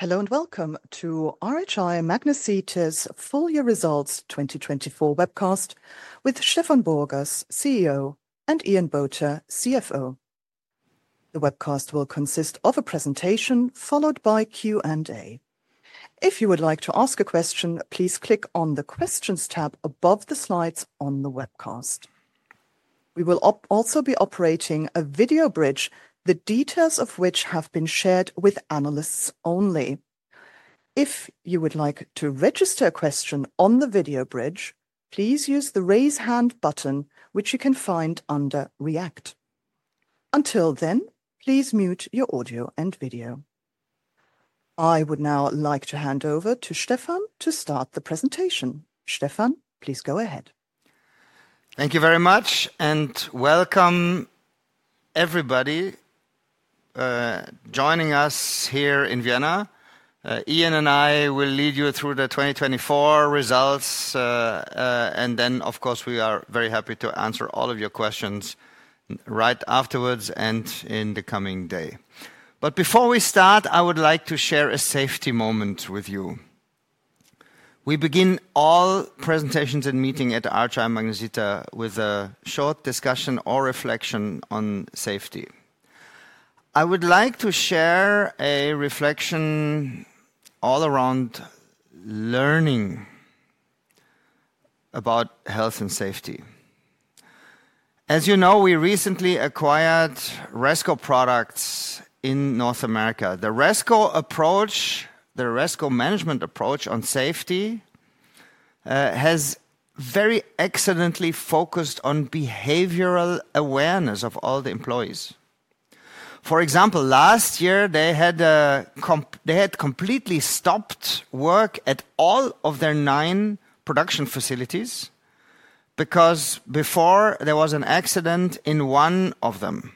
Hello and welcome to RHI Magnesita's Full Year Results 2024 webcast with Stefan Borgas, CEO, and Ian Botha, CFO. The webcast will consist of a presentation followed by Q&A. If you would like to ask a question, please click on the Questions tab above the slides on the webcast. We will also be operating a video bridge, the details of which have been shared with analysts only. If you would like to register a question on the video bridge, please use the Raise Hand button, which you can find under React. Until then, please mute your audio and video. I would now like to hand over to Stefan to start the presentation. Stefan, please go ahead. Thank you very much, and welcome everybody joining us here in Vienna. Ian and I will lead you through the 2024 results, and then, of course, we are very happy to answer all of your questions right afterwards and in the coming day. But before we start, I would like to share a safety moment with you. We begin all presentations and meetings at RHI Magnesita with a short discussion or reflection on safety. I would like to share a reflection all around learning about health and safety. As you know, we recently acquired Resco Products in North America. The Resco approach, the Resco management approach on safety, has very excellently focused on behavioral awareness of all the employees. For example, last year, they had completely stopped work at all of their nine production facilities because before there was an accident in one of them.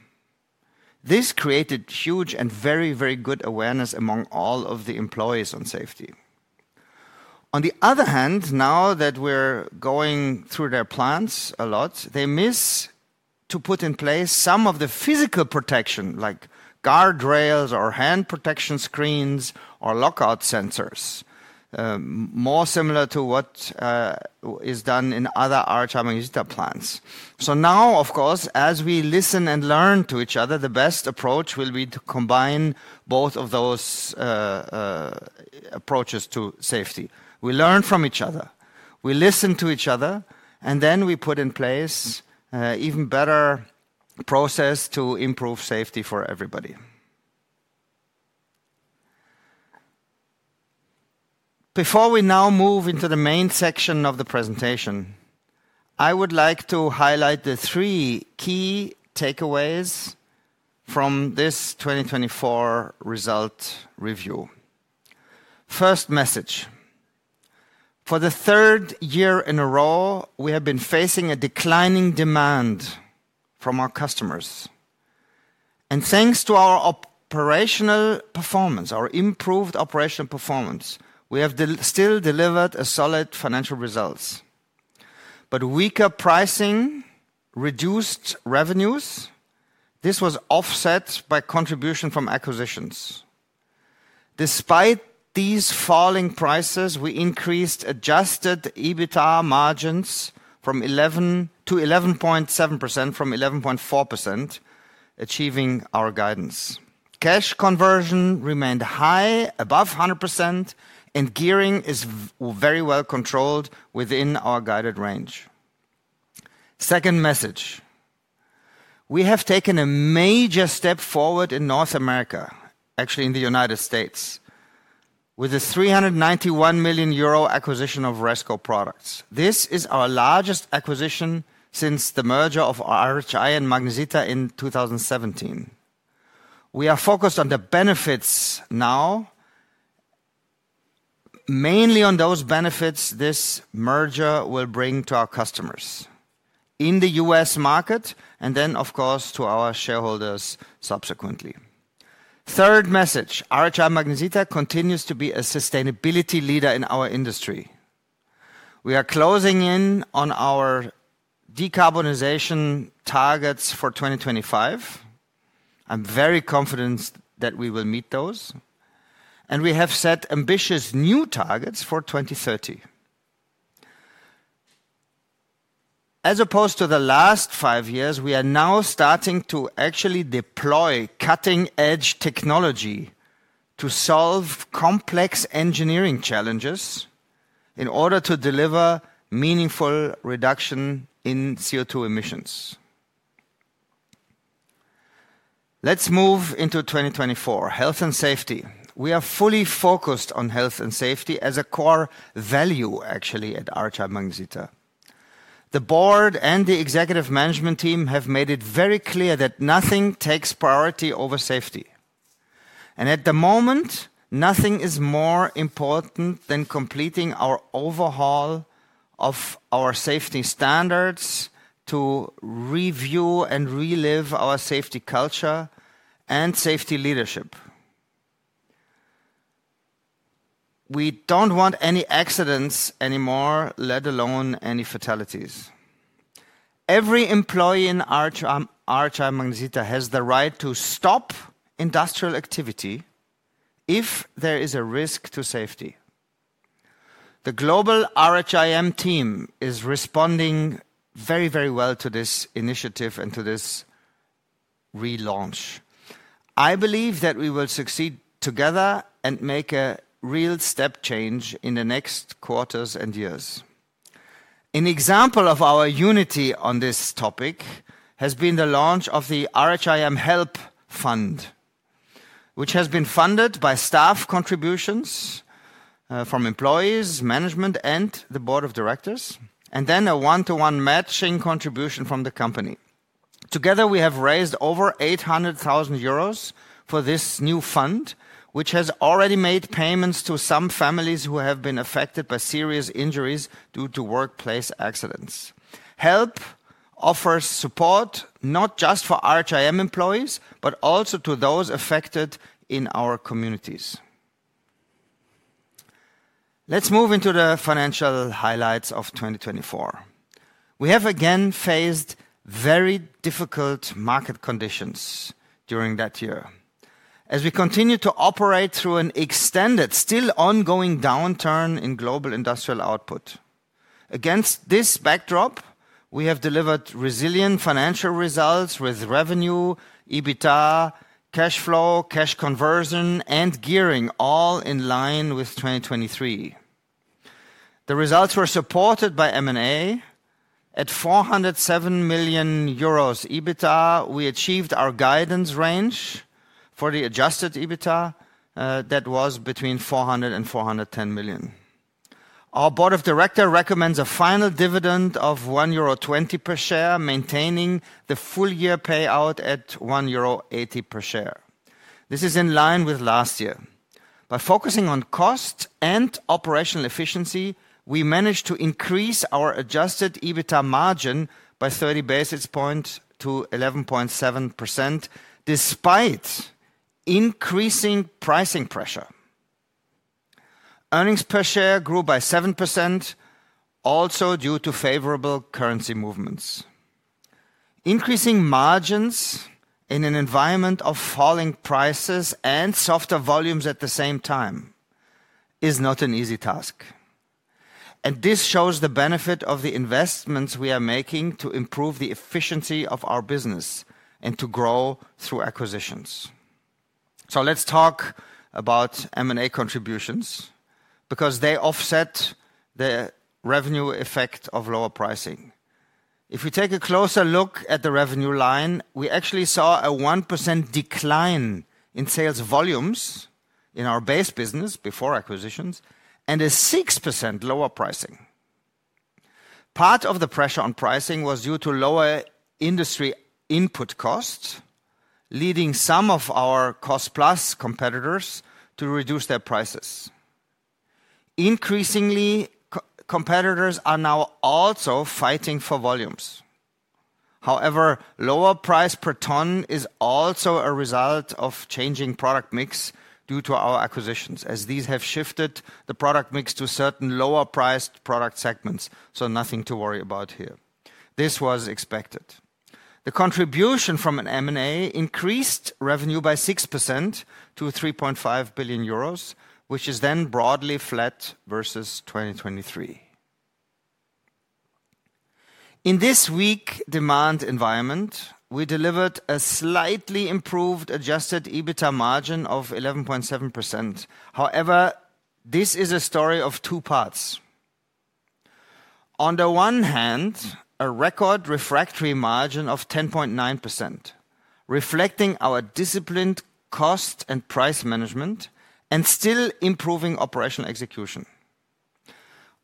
This created huge and very, very good awareness among all of the employees on safety. On the other hand, now that we're going through their plants a lot, they miss to put in place some of the physical protection, like guardrails or hand protection screens or lockout sensors, more similar to what is done in other RHI Magnesita plants. So now, of course, as we listen and learn to each other, the best approach will be to combine both of those approaches to safety. We learn from each other, we listen to each other, and then we put in place an even better process to improve safety for everybody. Before we now move into the main section of the presentation, I would like to highlight the three key takeaways from this 2024 result review. First message: For the third year in a row, we have been facing a declining demand from our customers. Thanks to our operational performance, our improved operational performance, we have still delivered solid financial results. Weaker pricing, reduced revenues, this was offset by contribution from acquisitions. Despite these falling prices, we increased adjusted EBITDA margins to 11.7% from 11.4%, achieving our guidance. Cash conversion remained high, above 100%, and gearing is very well controlled within our guided range. Second message: We have taken a major step forward in North America, actually in the United States, with a 391 million euro acquisition of Resco Products. This is our largest acquisition since the merger of RHI and Magnesita in 2017. We are focused on the benefits now, mainly on those benefits this merger will bring to our customers in the U.S. market and then, of course, to our shareholders subsequently. Third message: RHI Magnesita continues to be a sustainability leader in our industry. We are closing in on our decarbonization targets for 2025. I'm very confident that we will meet those, and we have set ambitious new targets for 2030. As opposed to the last five years, we are now starting to actually deploy cutting-edge technology to solve complex engineering challenges in order to deliver meaningful reduction in CO2 emissions. Let's move into 2024: health and safety. We are fully focused on health and safety as a core value, actually, at RHI Magnesita. The board and the executive management team have made it very clear that nothing takes priority over safety, and at the moment, nothing is more important than completing our overhaul of our safety standards to review and relive our safety culture and safety leadership. We don't want any accidents anymore, let alone any fatalities. Every employee in RHI Magnesita has the right to stop industrial activity if there is a risk to safety. The global RHIM team is responding very, very well to this initiative and to this relaunch. I believe that we will succeed together and make a real step change in the next quarters and years. An example of our unity on this topic has been the launch of the RHIM HELP Fund, which has been funded by staff contributions from employees, management, and the board of directors, and then a one-to-one matching contribution from the company. Together, we have raised over 800,000 euros for this new fund, which has already made payments to some families who have been affected by serious injuries due to workplace accidents. HELP offers support not just for RHIM employees, but also to those affected in our communities. Let's move into the financial highlights of 2024. We have again faced very difficult market conditions during that year as we continue to operate through an extended, still ongoing downturn in global industrial output. Against this backdrop, we have delivered resilient financial results with revenue, EBITDA, cash flow, cash conversion, and gearing, all in line with 2023. The results were supported by M&A. At 407 million euros EBITDA, we achieved our guidance range for the adjusted EBITDA that was between 400 million and 410 million. Our board of directors recommends a final dividend of 1.20 euro per share, maintaining the full year payout at 1.80 euro per share. This is in line with last year. By focusing on cost and operational efficiency, we managed to increase our adjusted EBITDA margin by 30 basis points to 11.7%, despite increasing pricing pressure. Earnings per share grew by 7%, also due to favorable currency movements. Increasing margins in an environment of falling prices and softer volumes at the same time is not an easy task. And this shows the benefit of the investments we are making to improve the efficiency of our business and to grow through acquisitions. So let's talk about M&A contributions because they offset the revenue effect of lower pricing. If we take a closer look at the revenue line, we actually saw a 1% decline in sales volumes in our base business before acquisitions and a 6% lower pricing. Part of the pressure on pricing was due to lower industry input costs, leading some of our cost-plus competitors to reduce their prices. Increasingly, competitors are now also fighting for volumes. However, lower price per ton is also a result of changing product mix due to our acquisitions, as these have shifted the product mix to certain lower-priced product segments. Nothing to worry about here. This was expected. The contribution from an M&A increased revenue by 6% to 3.5 billion euros, which is then broadly flat versus 2023. In this weak demand environment, we delivered a slightly improved adjusted EBITDA margin of 11.7%. However, this is a story of two parts. On the one hand, a record refractory margin of 10.9%, reflecting our disciplined cost and price management and still improving operational execution.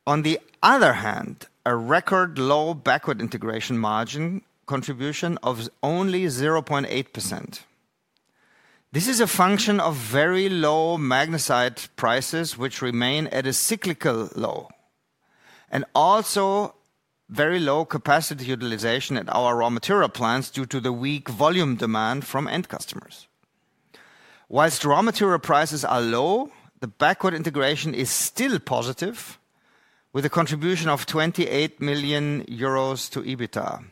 On the other hand, a record low backward integration margin contribution of only 0.8%. This is a function of very low magnesia prices, which remain at a cyclical low, and also very low capacity utilization at our raw material plants due to the weak volume demand from end customers. While raw material prices are low, the backward integration is still positive, with a contribution of 28 million euros to EBITDA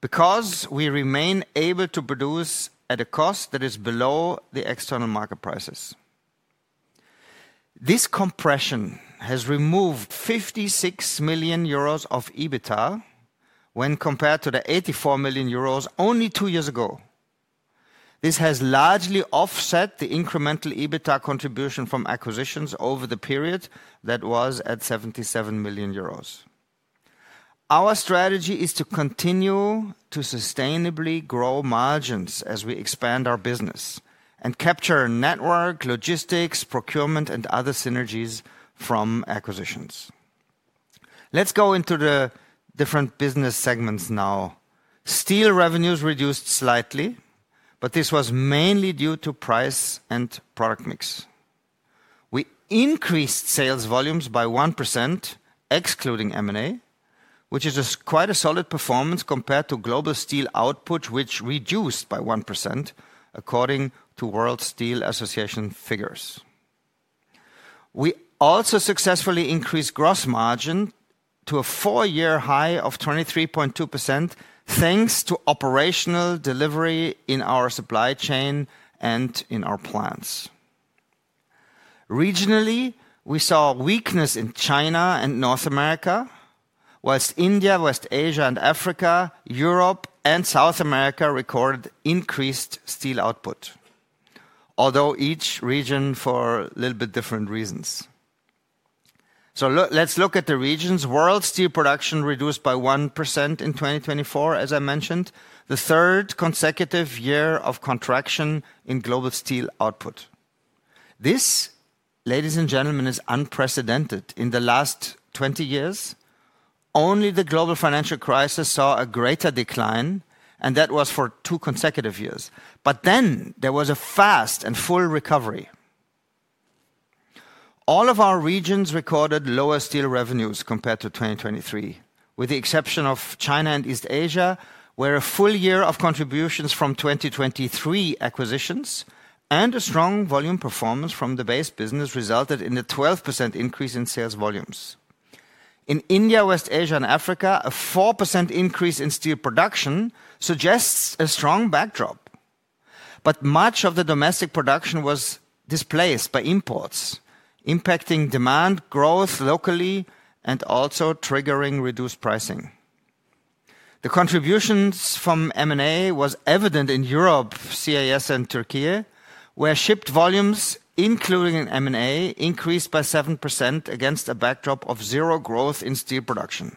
because we remain able to produce at a cost that is below the external market prices. This compression has removed 56 million euros of EBITDA when compared to the 84 million euros only two years ago. This has largely offset the incremental EBITDA contribution from acquisitions over the period that was at 77 million euros. Our strategy is to continue to sustainably grow margins as we expand our business and capture network, logistics, procurement, and other synergies from acquisitions. Let's go into the different business segments now. Steel revenues reduced slightly, but this was mainly due to price and product mix. We increased sales volumes by 1%, excluding M&A, which is quite a solid performance compared to global steel output, which reduced by 1%, according to World Steel Association figures. We also successfully increased gross margin to a four-year high of 23.2%, thanks to operational delivery in our supply chain and in our plants. Regionally, we saw weakness in China and North America, while India, West Asia, and Africa, Europe, and South America recorded increased steel output, although each region for a little bit different reasons. So let's look at the regions, world steel production reduced by 1% in 2024, as I mentioned, the third consecutive year of contraction in global steel output. This, ladies and gentlemen, is unprecedented in the last 20 years. Only the global financial crisis saw a greater decline, and that was for two consecutive years, but then there was a fast and full recovery. All of our regions recorded lower steel revenues compared to 2023, with the exception of China and East Asia, where a full year of contributions from 2023 acquisitions and a strong volume performance from the base business resulted in a 12% increase in sales volumes. In India, West Asia, and Africa, a 4% increase in steel production suggests a strong backdrop. But much of the domestic production was displaced by imports, impacting demand growth locally and also triggering reduced pricing. The contributions from M&A were evident in Europe, CIS, and Türkiye, where shipped volumes, including M&A, increased by 7% against a backdrop of zero growth in steel production.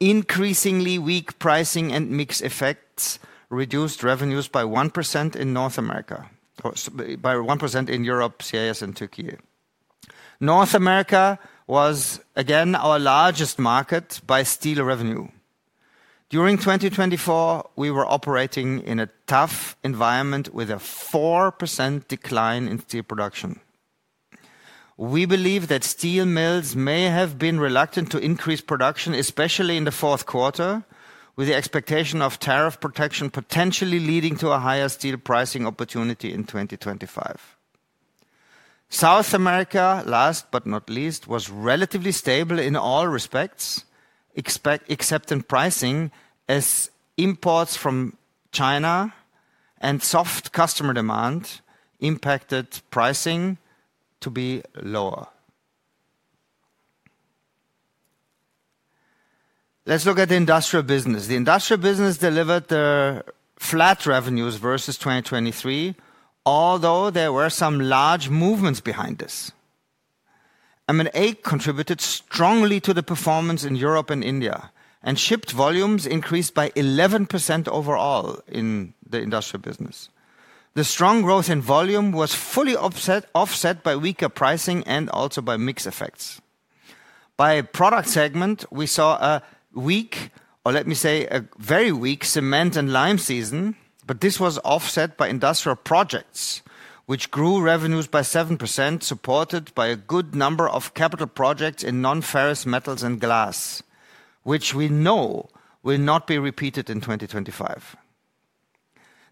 Increasingly weak pricing and mix effects reduced revenues by 1% in North America, by 1% in Europe, CIS, and Türkiye. North America was again our largest market by steel revenue. During 2024, we were operating in a tough environment with a 4% decline in steel production. We believe that steel mills may have been reluctant to increase production, especially in the fourth quarter, with the expectation of tariff protection potentially leading to a higher steel pricing opportunity in 2025. South America, last but not least, was relatively stable in all respects, except in pricing, as imports from China and soft customer demand impacted pricing to be lower. Let's look at the industrial business. The industrial business delivered flat revenues versus 2023, although there were some large movements behind this. M&A contributed strongly to the performance in Europe and India, and shipped volumes increased by 11% overall in the industrial business. The strong growth in volume was fully offset by weaker pricing and also by mix effects. By product segment, we saw a weak, or let me say a very weak, cement and lime season, but this was offset by industrial projects, which grew revenues by 7%, supported by a good number of capital projects in non-ferrous metals and glass, which we know will not be repeated in 2025.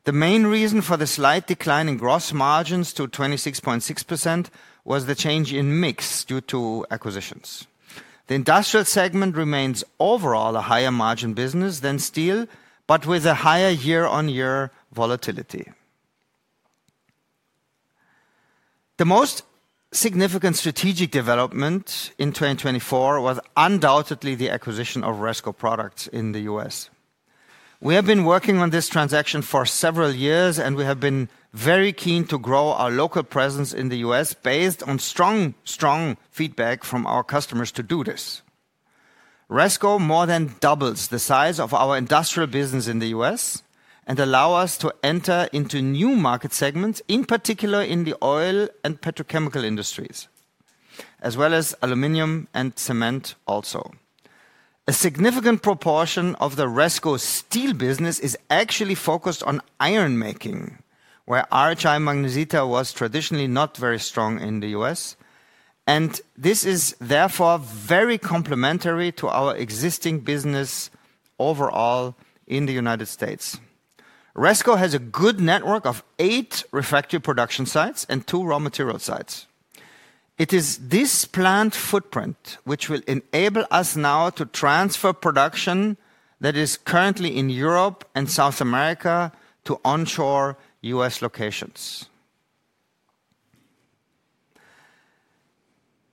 The main reason for the slight decline in gross margins to 26.6% was the change in mix due to acquisitions. The industrial segment remains overall a higher margin business than steel, but with a higher year-on-year volatility. The most significant strategic development in 2024 was undoubtedly the acquisition of Resco Products in the U.S. We have been working on this transaction for several years, and we have been very keen to grow our local presence in the U.S. based on strong, strong feedback from our customers to do this. Resco more than doubles the size of our industrial business in the U.S. and allows us to enter into new market segments, in particular in the oil and petrochemical industries, as well as aluminum and cement also. A significant proportion of the Resco steel business is actually focused on iron making, where RHI Magnesita was traditionally not very strong in the U.S. And this is therefore very complementary to our existing business overall in the United States. Resco has a good network of eight refractory production sites and two raw material sites. It is this plant footprint which will enable us now to transfer production that is currently in Europe and South America to onshore U.S. locations.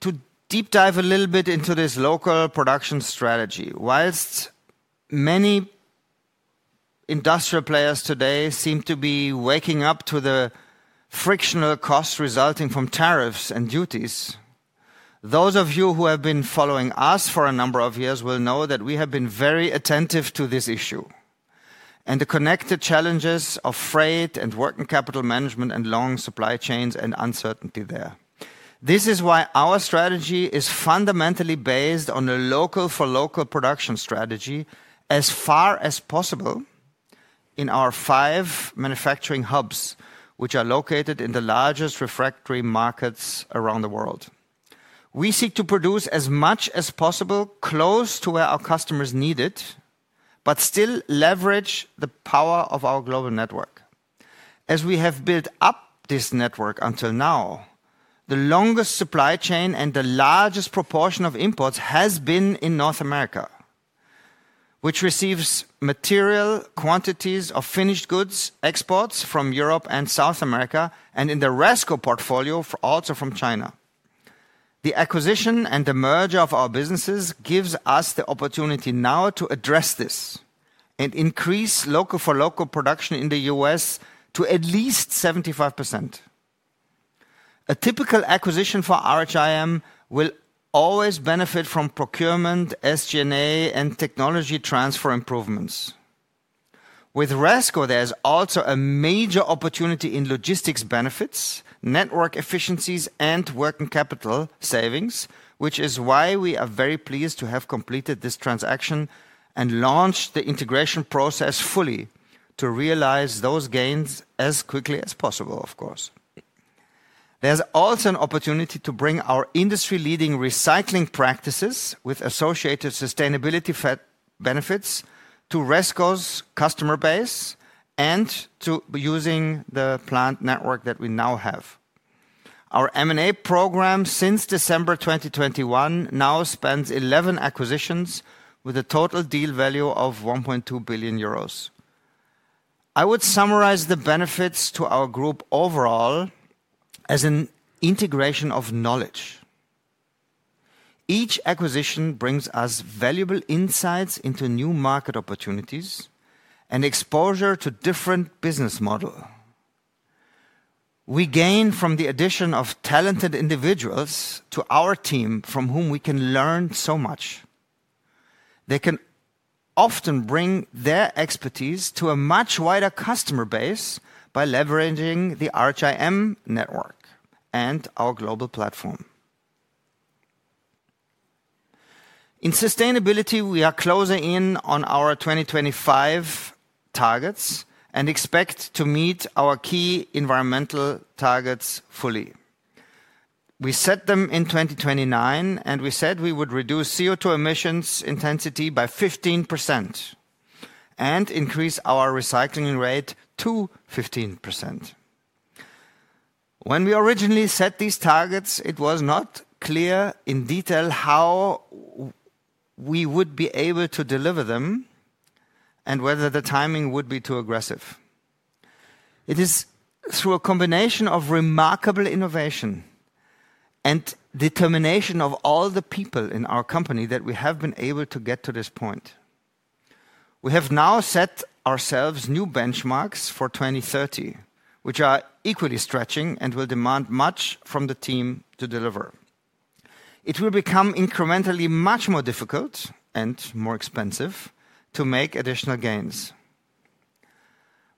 To deep dive a little bit into this local production strategy, while many industrial players today seem to be waking up to the frictional costs resulting from tariffs and duties, those of you who have been following us for a number of years will know that we have been very attentive to this issue and the connected challenges of freight and working capital management and long supply chains and uncertainty there. This is why our strategy is fundamentally based on a local-for-local production strategy as far as possible in our five manufacturing hubs, which are located in the largest refractory markets around the world. We seek to produce as much as possible close to where our customers need it, but still leverage the power of our global network. As we have built up this network until now, the longest supply chain and the largest proportion of imports has been in North America, which receives material quantities of finished goods exports from Europe and South America, and in the Resco portfolio also from China. The acquisition and the merger of our businesses gives us the opportunity now to address this and increase local-for-local production in the U.S. to at least 75%. A typical acquisition for RHIM will always benefit from procurement, SG&A, and technology transfer improvements. With Resco, there is also a major opportunity in logistics benefits, network efficiencies, and working capital savings, which is why we are very pleased to have completed this transaction and launched the integration process fully to realize those gains as quickly as possible, of course. There's also an opportunity to bring our industry-leading recycling practices with associated sustainability benefits to Resco's customer base and to using the plant network that we now have. Our M&A program since December 2021 now spans 11 acquisitions with a total deal value of 1.2 billion euros. I would summarize the benefits to our group overall as an integration of knowledge. Each acquisition brings us valuable insights into new market opportunities and exposure to different business models. We gain from the addition of talented individuals to our team from whom we can learn so much. They can often bring their expertise to a much wider customer base by leveraging the RHIM network and our global platform. In sustainability, we are closing in on our 2025 targets and expect to meet our key environmental targets fully. We set them in 2029, and we said we would reduce CO2 emissions intensity by 15% and increase our recycling rate to 15%. When we originally set these targets, it was not clear in detail how we would be able to deliver them and whether the timing would be too aggressive. It is through a combination of remarkable innovation and determination of all the people in our company that we have been able to get to this point. We have now set ourselves new benchmarks for 2030, which are equally stretching and will demand much from the team to deliver. It will become incrementally much more difficult and more expensive to make additional gains.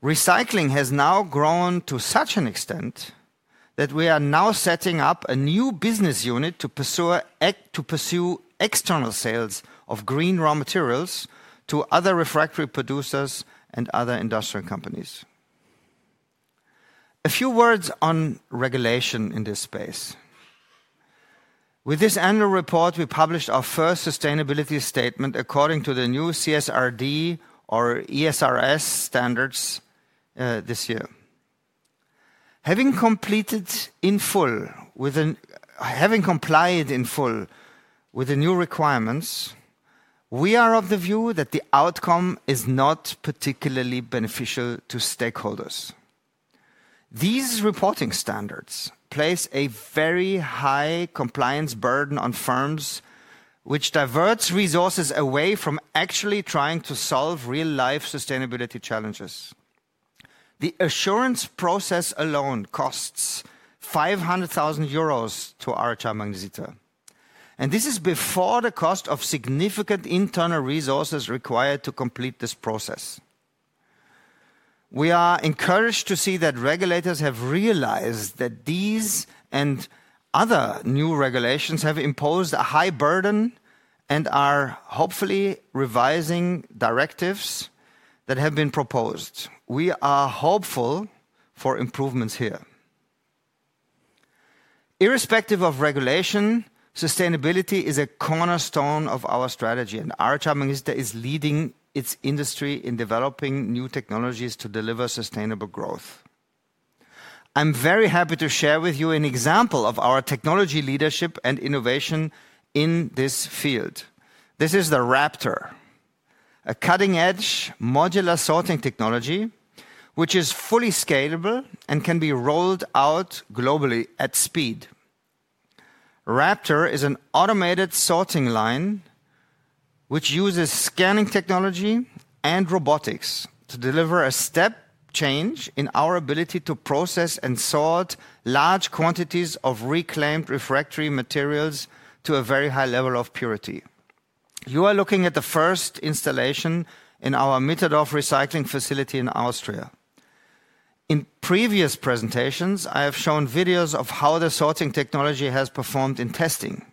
Recycling has now grown to such an extent that we are now setting up a new business unit to pursue external sales of green raw materials to other refractory producers and other industrial companies. A few words on regulation in this space. With this annual report, we published our first sustainability statement according to the new CSRD or ESRS standards this year. Having complied in full with the new requirements, we are of the view that the outcome is not particularly beneficial to stakeholders. These reporting standards place a very high compliance burden on firms, which diverts resources away from actually trying to solve real-life sustainability challenges. The assurance process alone costs 500,000 euros to RHI Magnesita, and this is before the cost of significant internal resources required to complete this process. We are encouraged to see that regulators have realized that these and other new regulations have imposed a high burden and are hopefully revising directives that have been proposed. We are hopeful for improvements here. Irrespective of regulation, sustainability is a cornerstone of our strategy, and RHI Magnesita is leading its industry in developing new technologies to deliver sustainable growth. I'm very happy to share with you an example of our technology leadership and innovation in this field. This is the RAPTOR, a cutting-edge modular sorting technology, which is fully scalable and can be rolled out globally at speed. RAPTOR is an automated sorting line which uses scanning technology and robotics to deliver a step change in our ability to process and sort large quantities of reclaimed refractory materials to a very high level of purity. You are looking at the first installation in our Mitterdorf recycling facility in Austria. In previous presentations, I have shown videos of how the sorting technology has performed in testing.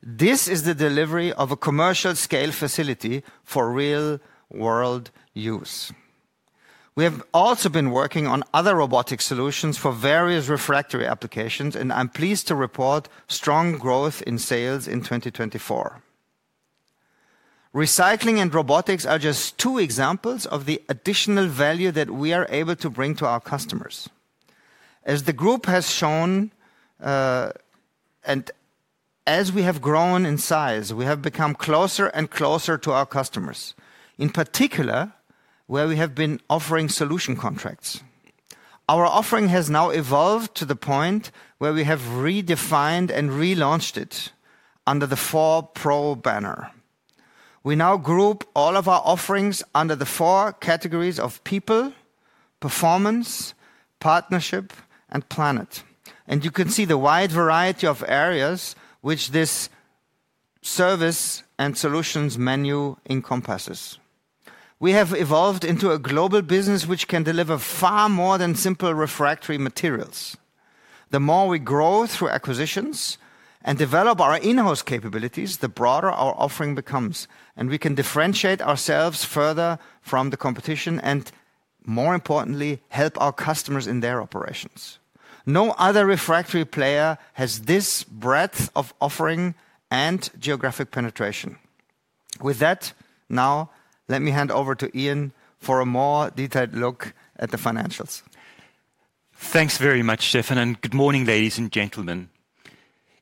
This is the delivery of a commercial-scale facility for real-world use. We have also been working on other robotic solutions for various refractory applications, and I'm pleased to report strong growth in sales in 2024. Recycling and robotics are just two examples of the additional value that we are able to bring to our customers. As the group has shown, and as we have grown in size, we have become closer and closer to our customers, in particular where we have been offering solution contracts. Our offering has now evolved to the point where we have redefined and relaunched it under the 4PRO banner. We now group all of our offerings under the four categories of people, performance, partnership, and planet, and you can see the wide variety of areas which this service and solutions menu encompasses. We have evolved into a global business which can deliver far more than simple refractory materials. The more we grow through acquisitions and develop our in-house capabilities, the broader our offering becomes, and we can differentiate ourselves further from the competition and, more importantly, help our customers in their operations. No other refractory player has this breadth of offering and geographic penetration. With that, now let me hand over to Ian for a more detailed look at the financials. Thanks very much, Stefan, and good morning, ladies and gentlemen.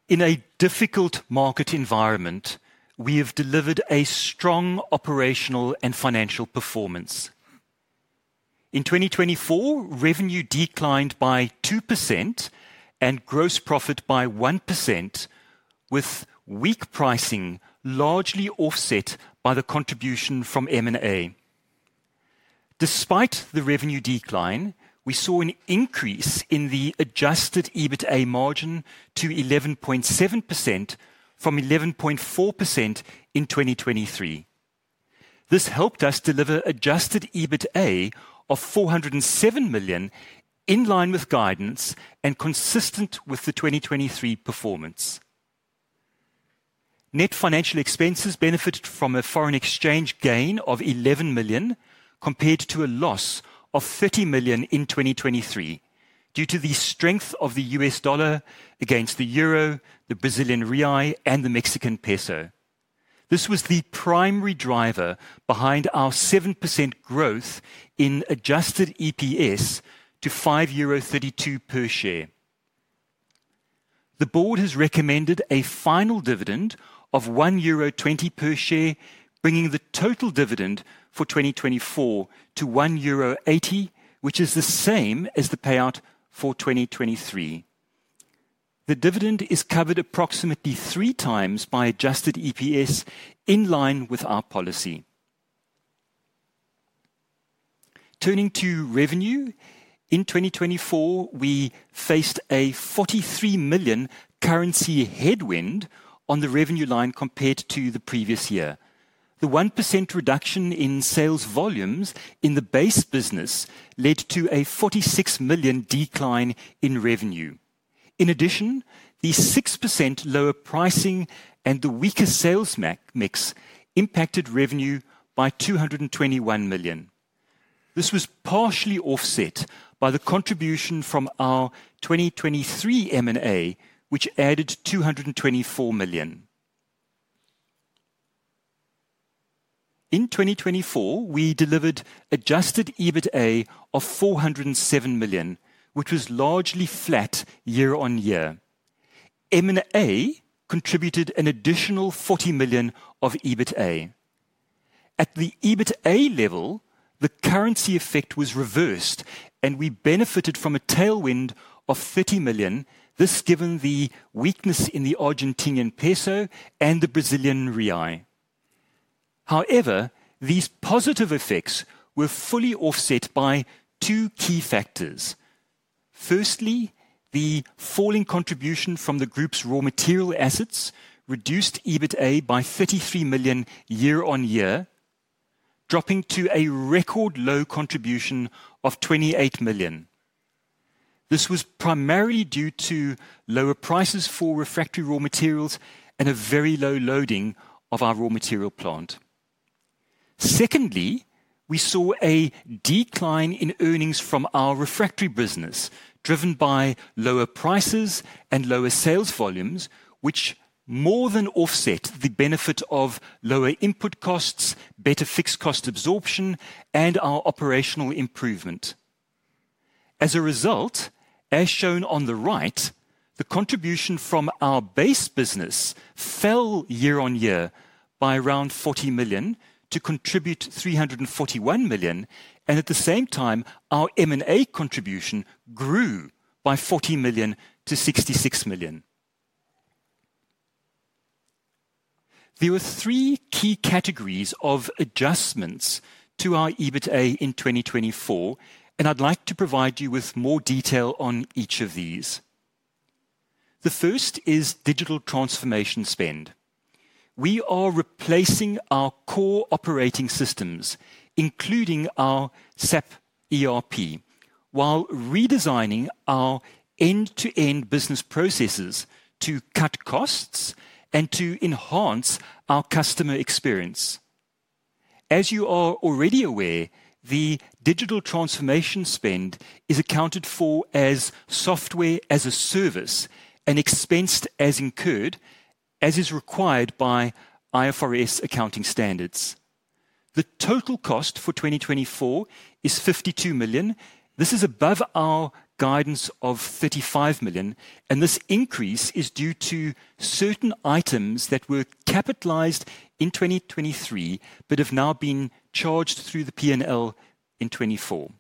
In a difficult market environment, we have delivered a strong operational and financial performance. In 2024, revenue declined by 2% and gross profit by 1%, with weak pricing largely offset by the contribution from M&A. Despite the revenue decline, we saw an increase in the adjusted EBITDA margin to 11.7% from 11.4% in 2023. This helped us deliver adjusted EBITDA of 407 million in line with guidance and consistent with the 2023 performance. Net financial expenses benefited from a foreign exchange gain of 11 million compared to a loss of 30 million in 2023 due to the strength of the U.S. dollar against the euro, the Brazilian real, and the Mexican peso. This was the primary driver behind our 7% growth in adjusted EPS to 5.32 euro per share. The board has recommended a final dividend of 1.20 euro per share, bringing the total dividend for 2024 to 1.80 euro, which is the same as the payout for 2023. The dividend is covered approximately three times by adjusted EPS in line with our policy. Turning to revenue, in 2024, we faced a 43 million currency headwind on the revenue line compared to the previous year. The 1% reduction in sales volumes in the base business led to a 46 million decline in revenue. In addition, the 6% lower pricing and the weaker sales mix impacted revenue by 221 million. This was partially offset by the contribution from our 2023 M&A, which added EUR 224 million. In 2024, we delivered adjusted EBITDA of 407 million, which was largely flat year-on-year. M&A contributed an additional 40 million of EBITDA. At the EBITDA level, the currency effect was reversed, and we benefited from a tailwind of 30 million, this given the weakness in the Argentine peso and the Brazilian real. However, these positive effects were fully offset by two key factors. Firstly, the falling contribution from the group's raw material assets reduced EBITDA by 33 million year-on-year, dropping to a record low contribution of 28 million. This was primarily due to lower prices for refractory raw materials and a very low loading of our raw material plant. Secondly, we saw a decline in earnings from our refractory business driven by lower prices and lower sales volumes, which more than offset the benefit of lower input costs, better fixed cost absorption, and our operational improvement. As a result, as shown on the right, the contribution from our base business fell year-on-year by around 40 million to contribute 341 million, and at the same time, our M&A contribution grew by 40 million to €66 million. There were three key categories of adjustments to our EBITDA in 2024, and I'd like to provide you with more detail on each of these. The first is digital transformation spend. We are replacing our core operating systems, including our SAP ERP, while redesigning our end-to-end business processes to cut costs and to enhance our customer experience. As you are already aware, the digital transformation spend is accounted for as Software-as-a-Service and expensed as incurred, as is required by IFRS accounting standards. The total cost for 2024 is 52 million. This is above our guidance of 35 million, and this increase is due to certain items that were capitalized in 2023 but have now been charged through the P&L in 2024.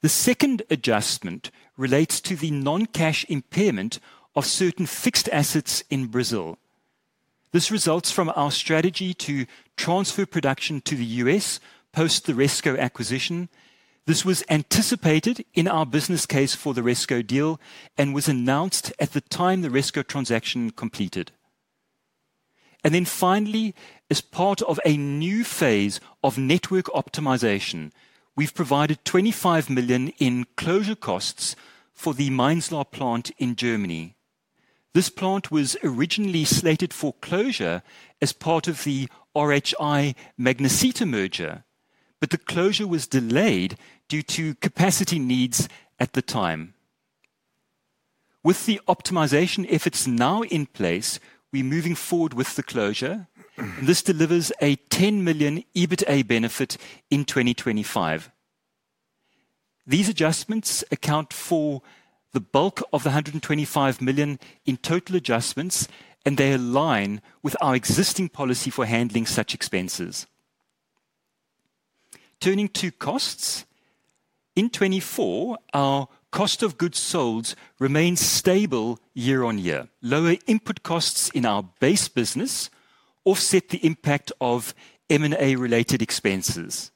The second adjustment relates to the non-cash impairment of certain fixed assets in Brazil. This results from our strategy to transfer production to the U.S. post the Resco acquisition. This was anticipated in our business case for the Resco deal and was announced at the time the Resco transaction completed, and then finally, as part of a new phase of network optimization, we've provided 25 million in closure costs for the Mainzlar plant in Germany. This plant was originally slated for closure as part of the RHI Magnesita merger, but the closure was delayed due to capacity needs at the time. With the optimization efforts now in place, we are moving forward with the closure, and this delivers a 10 million EBITDA benefit in 2025. These adjustments account for the bulk of the 125 million in total adjustments, and they align with our existing policy for handling such expenses. Turning to costs, in 2024, our cost of goods sold remains stable year-on-year. Lower input costs in our base business offset the impact of M&A-related expenses.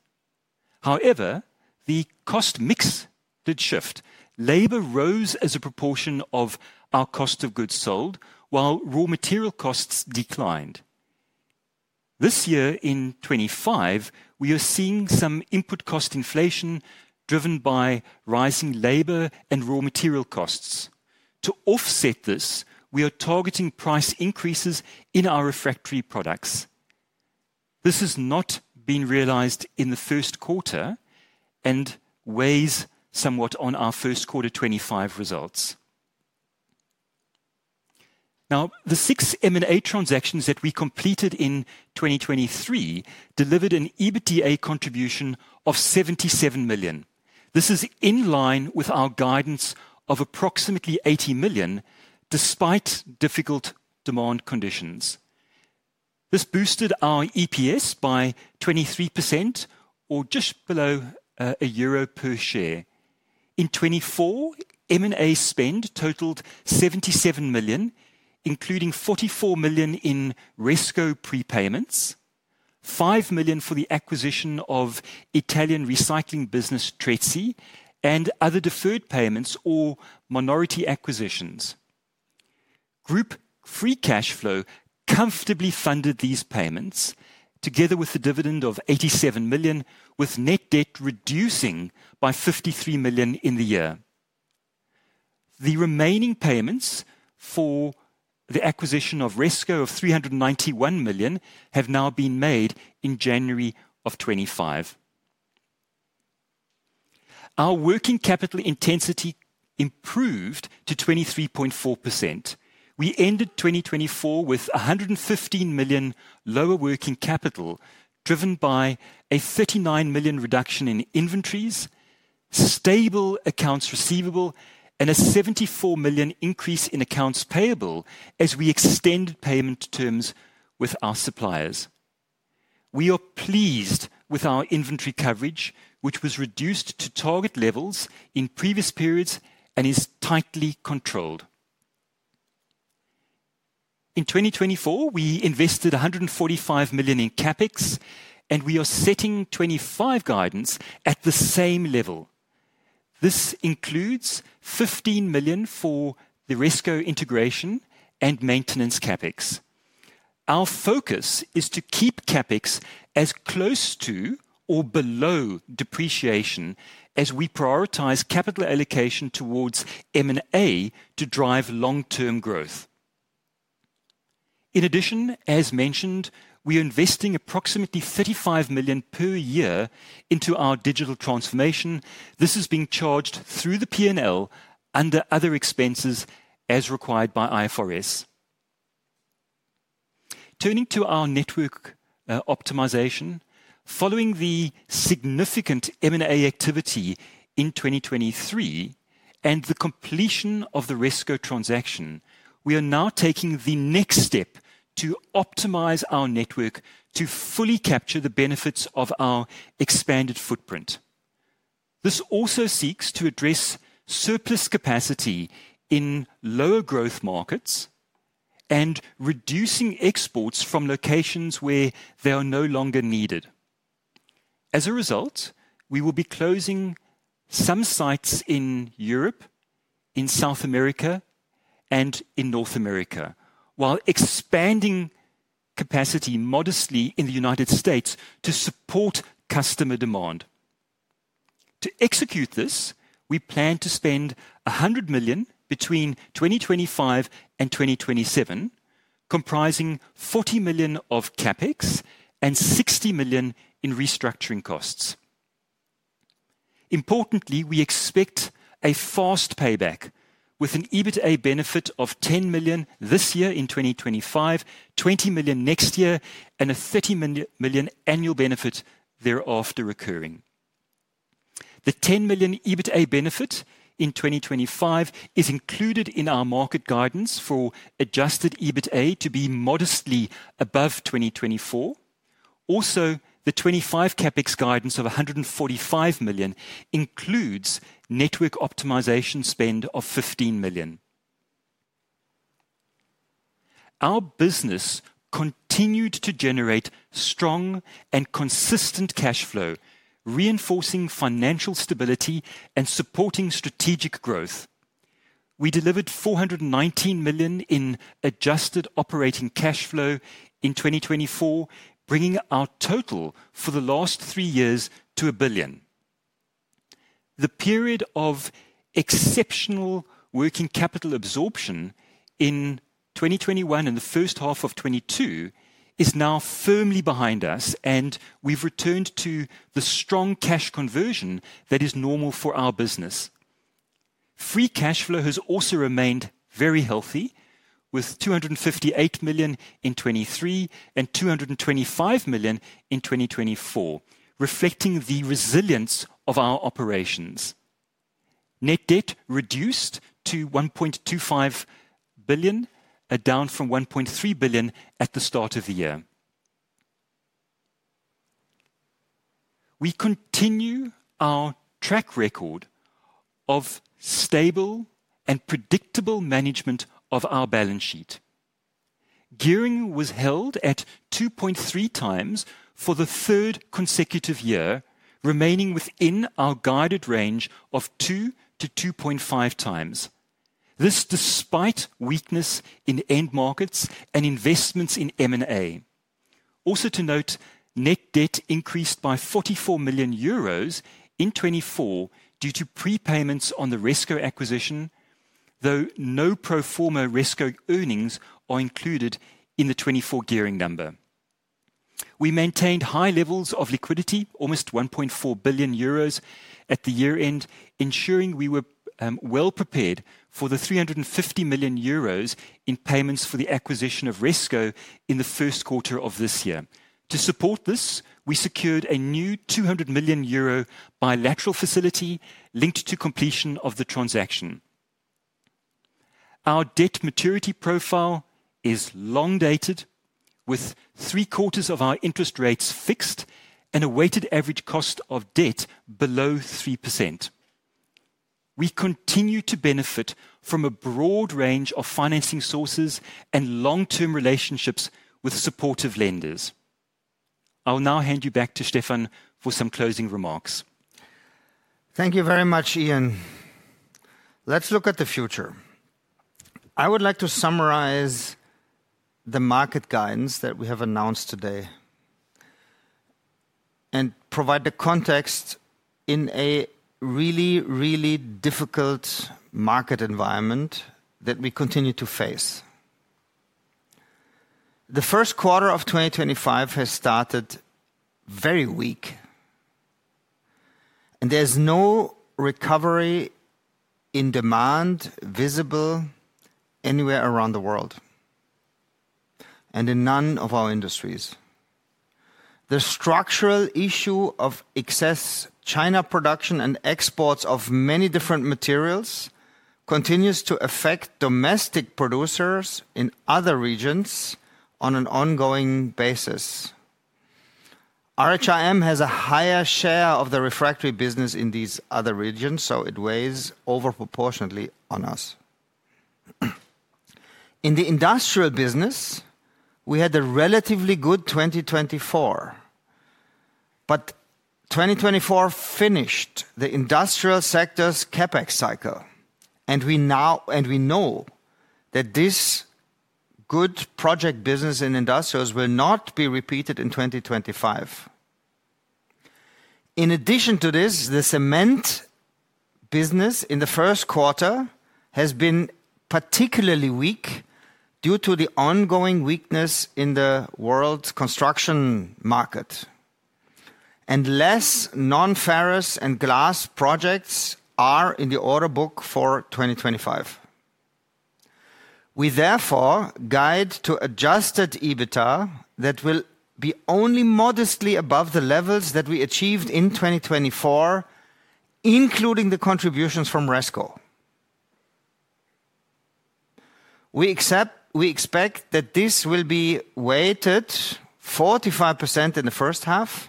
However, the cost mix did shift. Labor rose as a proportion of our cost of goods sold, while raw material costs declined. This year, in 2025, we are seeing some input cost inflation driven by rising labor and raw material costs. To offset this, we are targeting price increases in our refractory products. This has not been realized in the first quarter and weighs somewhat on our first quarter 2025 results. Now, the six M&A transactions that we completed in 2023 delivered an EBITDA contribution of 77 million. This is in line with our guidance of approximately 80 million, despite difficult demand conditions. This boosted our EPS by 23%, or just below EUR 1 per share. In 2024, M&A spend totaled 77 million, including 44 million in Resco prepayments, 5 million for the acquisition of Italian recycling business Trezzi, and other deferred payments or minority acquisitions. Group free cash flow comfortably funded these payments, together with a dividend of 87 million, with net debt reducing by 53 million in the year. The remaining payments for the acquisition of Resco of 391 million have now been made in January of 2025. Our working capital intensity improved to 23.4%. We ended 2024 with 115 million lower working capital, driven by a 39 million reduction in inventories, stable accounts receivable, and a 74 million increase in accounts payable as we extended payment terms with our suppliers. We are pleased with our inventory coverage, which was reduced to target levels in previous periods and is tightly controlled. In 2024, we invested 145 million in CapEx, and we are setting 2025 guidance at the same level. This includes 15 million for the Resco integration and maintenance CapEx. Our focus is to keep CapEx as close to or below depreciation as we prioritize capital allocation towards M&A to drive long-term growth. In addition, as mentioned, we are investing approximately 35 million per year into our digital transformation. This is being charged through the P&L under other expenses as required by IFRS. Turning to our network optimization, following the significant M&A activity in 2023 and the completion of the Resco transaction, we are now taking the next step to optimize our network to fully capture the benefits of our expanded footprint. This also seeks to address surplus capacity in lower growth markets and reducing exports from locations where they are no longer needed. As a result, we will be closing some sites in Europe, in South America, and in North America, while expanding capacity modestly in the United States to support customer demand. To execute this, we plan to spend 100 million between 2025 and 2027, comprising 40 million of CapEx and 60 million in restructuring costs. Importantly, we expect a fast payback with an EBITDA benefit of 10 million this year in 2025, 20 million next year, and a 30 million annual benefit thereafter occurring. The 10 million EBITDA benefit in 2025 is included in our market guidance for adjusted EBITDA to be modestly above 2024. Also, the 2025 CapEx guidance of 145 million includes network optimization spend of 15 million. Our business continued to generate strong and consistent cash flow, reinforcing financial stability and supporting strategic growth. We delivered 419 million in adjusted operating cash flow in 2024, bringing our total for the last three years to 1 billion. The period of exceptional working capital absorption in 2021 and the first half of 2022 is now firmly behind us, and we've returned to the strong cash conversion that is normal for our business. Free cash flow has also remained very healthy, with 258 million in 2023 and 225 million in 2024, reflecting the resilience of our operations. Net debt reduced to 1.25 billion, down from 1.3 billion at the start of the year. We continue our track record of stable and predictable management of our balance sheet. Gearing was held at 2.3 times for the third consecutive year, remaining within our guided range of 2-2.5 times. This despite weakness in end markets and investments in M&A. Also to note, net debt increased by 44 million euros in 2024 due to prepayments on the Resco acquisition, though no pro forma Resco earnings are included in the 2024 gearing number. We maintained high levels of liquidity, almost 1.4 billion euros at the year-end, ensuring we were well prepared for the 350 million euros in payments for the acquisition of Resco in the first quarter of this year. To support this, we secured a new 200 million euro bilateral facility linked to completion of the transaction. Our debt maturity profile is long-dated, with three-quarters of our interest rates fixed and a weighted average cost of debt below 3%. We continue to benefit from a broad range of financing sources and long-term relationships with supportive lenders. I'll now hand you back to Stefan for some closing remarks. Thank you very much, Ian. Let's look at the future. I would like to summarize the market guidance that we have announced today and provide the context in a really, really difficult market environment that we continue to face. The first quarter of 2025 has started very weak, and there's no recovery in demand visible anywhere around the world and in none of our industries. The structural issue of excess China production and exports of many different materials continues to affect domestic producers in other regions on an ongoing basis. RHI Magnesita has a higher share of the refractory business in these other regions, so it weighs overproportionately on us. In the industrial business, we had a relatively good 2024, but 2024 finished the industrial sector's CapEx cycle, and we know that this good project business in industrials will not be repeated in 2025. In addition to this, the cement business in the first quarter has been particularly weak due to the ongoing weakness in the world construction market, and less non-ferrous and glass projects are in the order book for 2025. We therefore guide to adjusted EBITDA that will be only modestly above the levels that we achieved in 2024, including the contributions from Resco. We expect that this will be weighted 45% in the first half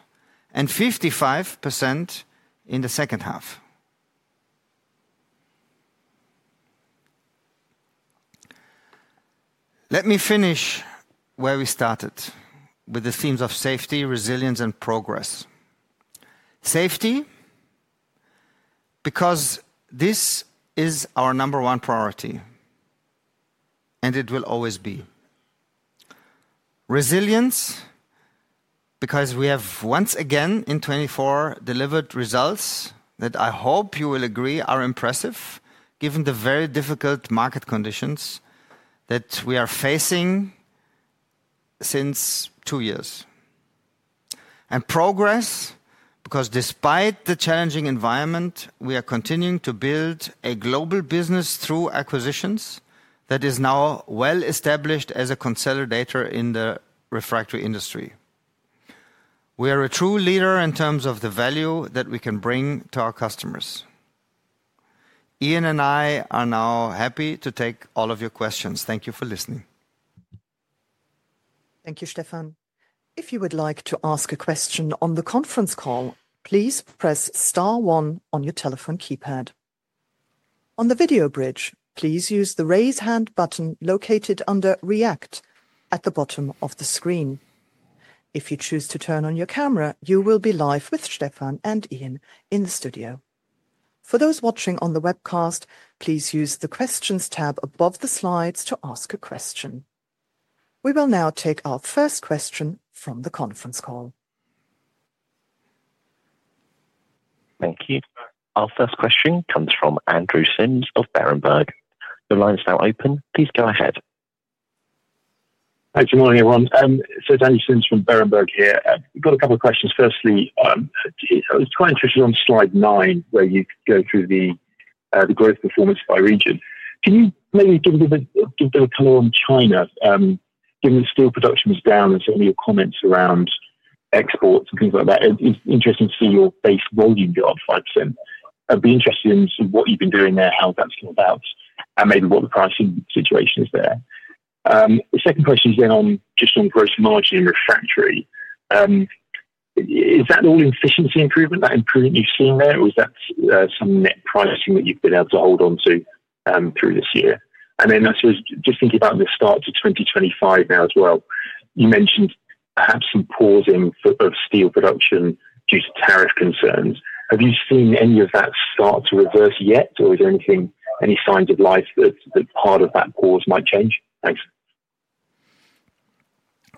and 55% in the second half. Let me finish where we started with the themes of safety, resilience, and progress. Safety, because this is our number one priority, and it will always be. Resilience, because we have once again in 2024 delivered results that I hope you will agree are impressive given the very difficult market conditions that we are facing since two years. And progress, because despite the challenging environment, we are continuing to build a global business through acquisitions that is now well-established as a consolidator in the refractory industry. We are a true leader in terms of the value that we can bring to our customers. Ian and I are now happy to take all of your questions. Thank you for listening. Thank you, Stefan. If you would like to ask a question on the conference call, please press star one on your telephone keypad. On the video bridge, please use the raise hand button located under React at the bottom of the screen. If you choose to turn on your camera, you will be live with Stefan and Ian in the studio. For those watching on the webcast, please use the questions tab above the slides to ask a question. We will now take our first question from the conference call. Thank you. Our first question comes from Andrew Simms of Berenberg. The line is now open. Please go ahead. Good morning, everyone. So Andrew Simms from Berenberg here. We've got a couple of questions. Firstly, it's quite interesting on slide nine where you go through the growth performance by region. Can you maybe give a bit of a color on China, given the steel production was down and certainly your comments around exports and things like that? It's interesting to see your base volume go up 5%. I'd be interested in what you've been doing there, how that's come about, and maybe what the pricing situation is there. The second question is then on just gross margin and refractory. Is that all efficiency improvement, that improvement you've seen there, or is that some net pricing that you've been able to hold on to through this year? And then I suppose just thinking about the start to 2025 now as well, you mentioned perhaps some pausing of steel production due to tariff concerns. Have you seen any of that start to reverse yet, or is there anything, any signs of life that part of that pause might change? Thanks.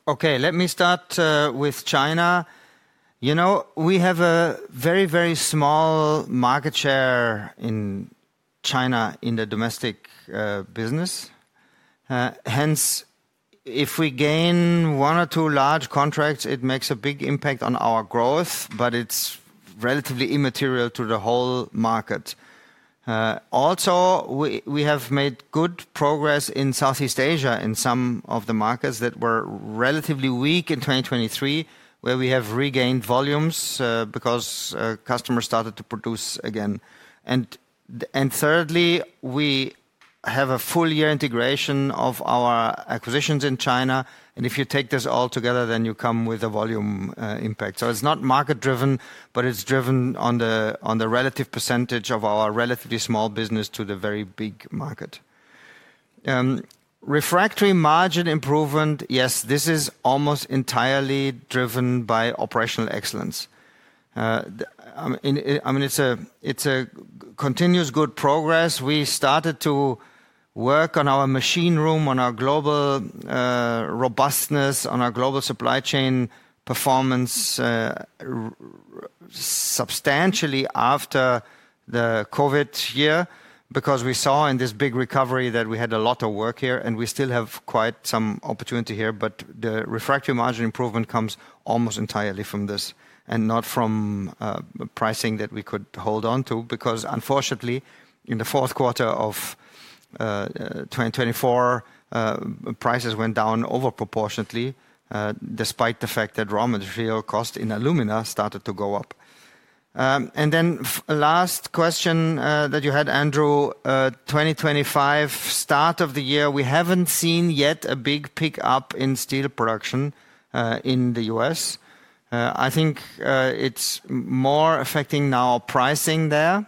Okay, let me start with China. You know, we have a very, very small market share in China in the domestic business. Hence, if we gain one or two large contracts, it makes a big impact on our growth, but it's relatively immaterial to the whole market. Also, we have made good progress in Southeast Asia in some of the markets that were relatively weak in 2023, where we have regained volumes because customers started to produce again. And thirdly, we have a full year integration of our acquisitions in China, and if you take this all together, then you come with a volume impact. So it's not market-driven, but it's driven on the relative percentage of our relatively small business to the very big market. Refractory margin improvement, yes, this is almost entirely driven by operational excellence. I mean, it's a continuous good progress. We started to work on our machine room, on our global robustness, on our global supply chain performance substantially after the COVID year because we saw in this big recovery that we had a lot of work here, and we still have quite some opportunity here, but the refractory margin improvement comes almost entirely from this and not from pricing that we could hold on to because unfortunately, in the fourth quarter of 2024, prices went down overproportionately despite the fact that raw material cost in alumina started to go up. And then last question that you had, Andrew, 2025, start of the year, we haven't seen yet a big pickup in steel production in the U.S. I think it's more affecting now pricing there,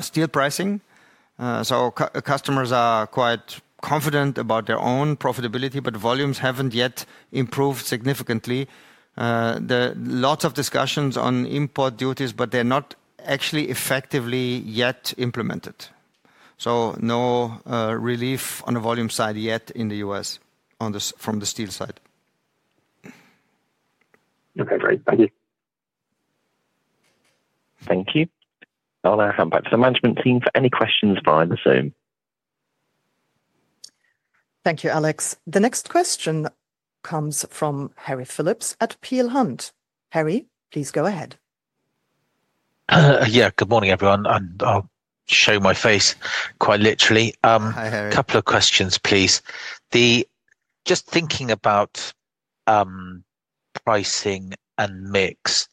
steel pricing. So customers are quite confident about their own profitability, but volumes haven't yet improved significantly. There are lots of discussions on import duties, but they're not actually effectively yet implemented. So no relief on the volume side yet in the U.S. from the steel side. Okay, great. Thank you. Thank you. I'll now hand back to the management team for any questions via the Zoom. Thank you, Alex. The next question comes from Harry Phillips at Peel Hunt. Harry, please go ahead. Yeah, good morning, everyone. I'll show my face quite literally. Hi, Harry. A couple of questions, please. Just thinking about pricing and mix,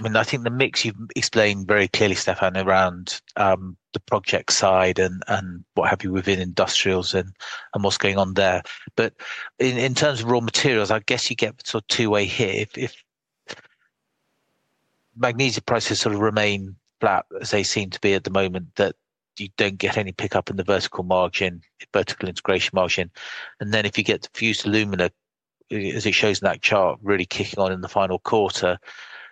I mean, I think the mix you've explained very clearly, Stefan, around the project side and what have you within industrials and what's going on there. But in terms of raw materials, I guess you get sort of two-way here. If magnesia prices sort of remain flat, as they seem to be at the moment, that you don't get any pickup in the vertical margin, vertical integration margin. And then if you get the fused alumina, as it shows in that chart, really kicking on in the final quarter,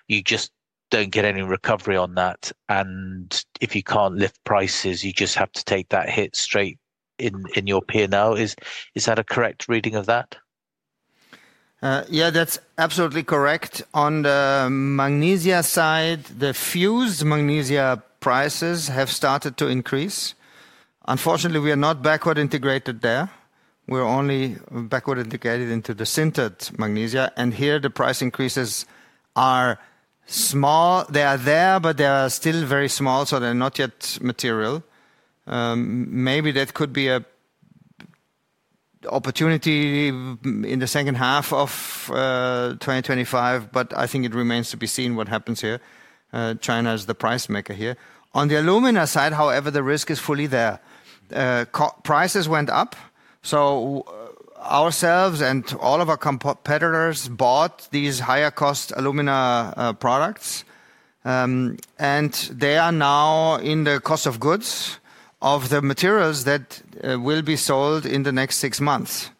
you just don't get any recovery on that. And if you can't lift prices, you just have to take that hit straight in your P&L. Is that a correct reading of that? Yeah, that's absolutely correct. On the magnesia side, the fused magnesia prices have started to increase. Unfortunately, we are not backward integrated there. We're only backward integrated into the sintered magnesia. And here the price increases are small. They are there, but they are still very small, so they're not yet material. Maybe that could be an opportunity in the second half of 2025, but I think it remains to be seen what happens here. China is the price-maker here. On the alumina side, however, the risk is fully there. Prices went up, so ourselves and all of our competitors bought these higher-cost alumina products, and they are now in the cost of goods of the materials that will be sold in the next six months.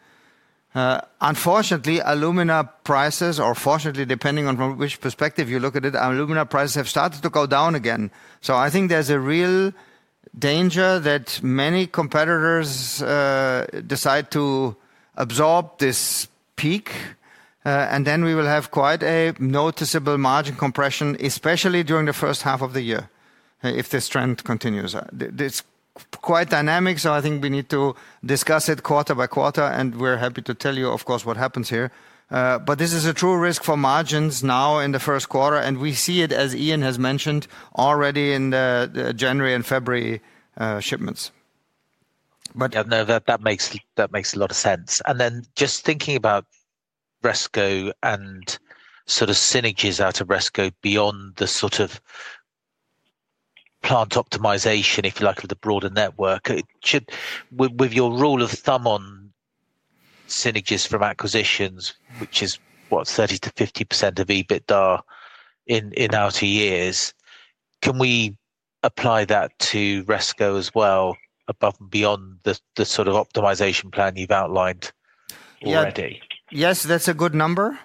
Unfortunately, alumina prices, or fortunately, depending on from which perspective you look at it, alumina prices have started to go down again. So I think there's a real danger that many competitors decide to absorb this peak, and then we will have quite a noticeable margin compression, especially during the first half of the year if this trend continues. It's quite dynamic, so I think we need to discuss it quarter-by-quarter, and we're happy to tell you, of course, what happens here. But this is a true risk for margins now in the first quarter, and we see it, as Ian has mentioned, already in the January and February shipments. That makes a lot of sense. And then just thinking about Resco and sort of synergies out of Resco beyond the sort of plant optimization, if you like, of the broader network, with your rule of thumb on synergies from acquisitions, which is, what, 30%-50% of EBITDA in outer years, can we apply that to Resco as well above and beyond the sort of optimization plan you've outlined already? Yes, that's a good number.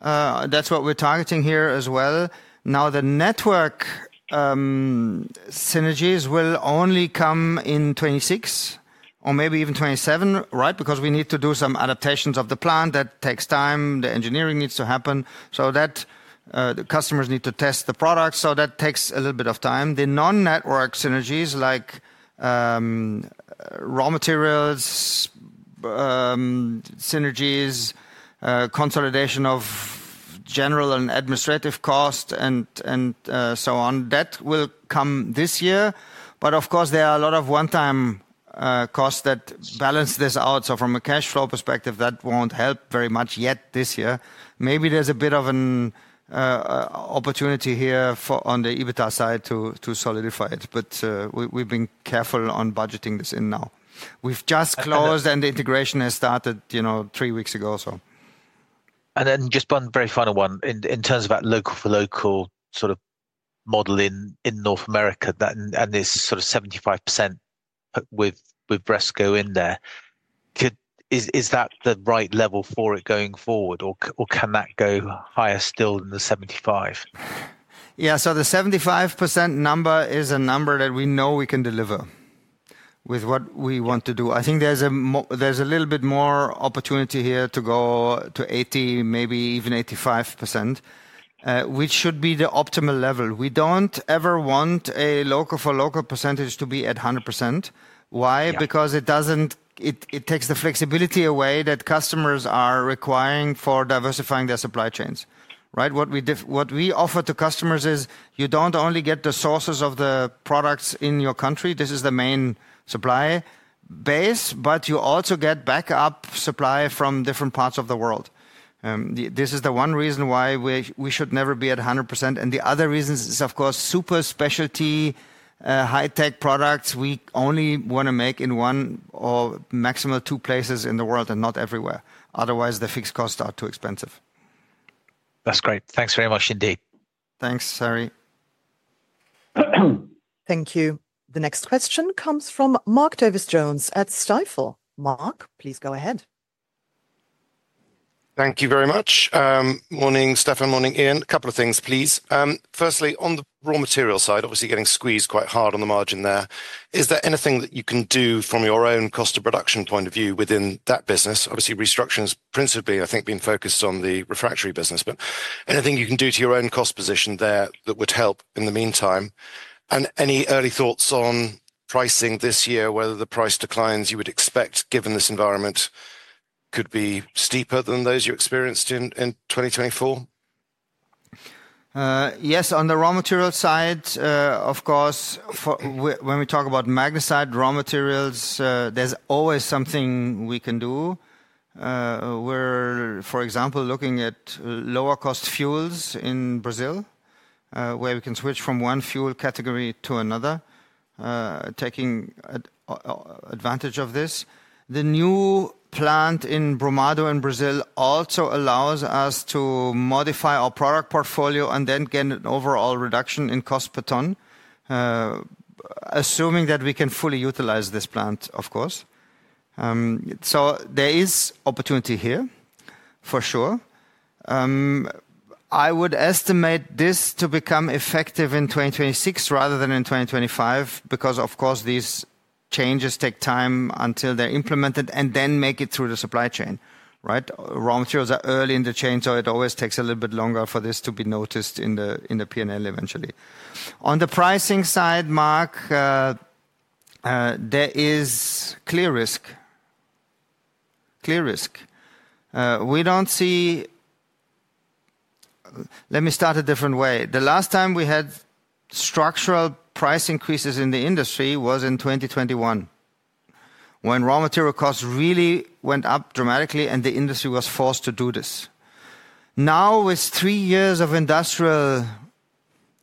That's what we're targeting here as well. Now, the network synergies will only come in 2026 or maybe even 2027, right? Because we need to do some adaptations of the plant. That takes time. The engineering needs to happen. So that the customers need to test the products. So that takes a little bit of time. The non-network synergies, like raw materials synergies, consolidation of general and administrative costs, and so on, that will come this year. But of course, there are a lot of one-time costs that balance this out. So from a cash flow perspective, that won't help very much yet this year. Maybe there's a bit of an opportunity here on the EBITDA side to solidify it, but we've been careful on budgeting this in now. We've just closed, and the integration has started three weeks ago, so. And then just one very final one in terms of that local-for-local sort of model in North America and this sort of 75% with Resco in there. Is that the right level for it going forward, or can that go higher still than the 75%? Yeah, so the 75% number is a number that we know we can deliver with what we want to do. I think there's a little bit more opportunity here to go to 80%, maybe even 85%, which should be the optimal level. We don't ever want a local-for-local percentage to be at 100%. Why? Because it takes the flexibility away that customers are requiring for diversifying their supply chains, right? What we offer to customers is you don't only get the sources of the products in your country. This is the main supply base, but you also get backup supply from different parts of the world. This is the one reason why we should never be at 100%. And the other reason is, of course, super specialty, high-tech products we only want to make in one or maximum two places in the world and not everywhere. Otherwise, the fixed costs are too expensive. That's great. Thanks very much indeed. Thanks, Harry. Thank you. The next question comes from Mark Davies Jones at Stifel. Mark, please go ahead. Thank you very much. Morning, Stefan, morning, Ian. A couple of things, please. Firstly, on the raw material side, obviously getting squeezed quite hard on the margin there, is there anything that you can do from your own cost of production point of view within that business? Obviously, restructuring has principally, I think, been focused on the refractory business, but anything you can do to your own cost position there that would help in the meantime? And any early thoughts on pricing this year, whether the price declines you would expect given this environment could be steeper than those you experienced in 2024? Yes, on the raw material side, of course, when we talk about magnesite raw materials, there's always something we can do. We're, for example, looking at lower-cost fuels in Brazil, where we can switch from one fuel category to another, taking advantage of this. The new plant in Brumado in Brazil also allows us to modify our product portfolio and then get an overall reduction in cost per ton, assuming that we can fully utilize this plant, of course. So there is opportunity here, for sure. I would estimate this to become effective in 2026 rather than in 2025 because, of course, these changes take time until they're implemented and then make it through the supply chain, right? Raw materials are early in the chain, so it always takes a little bit longer for this to be noticed in the P&L eventually. On the pricing side, Mark, there is clear risk. We don't see. Let me start a different way. The last time we had structural price increases in the industry was in 2021, when raw material costs really went up dramatically and the industry was forced to do this. Now, with three years of industrial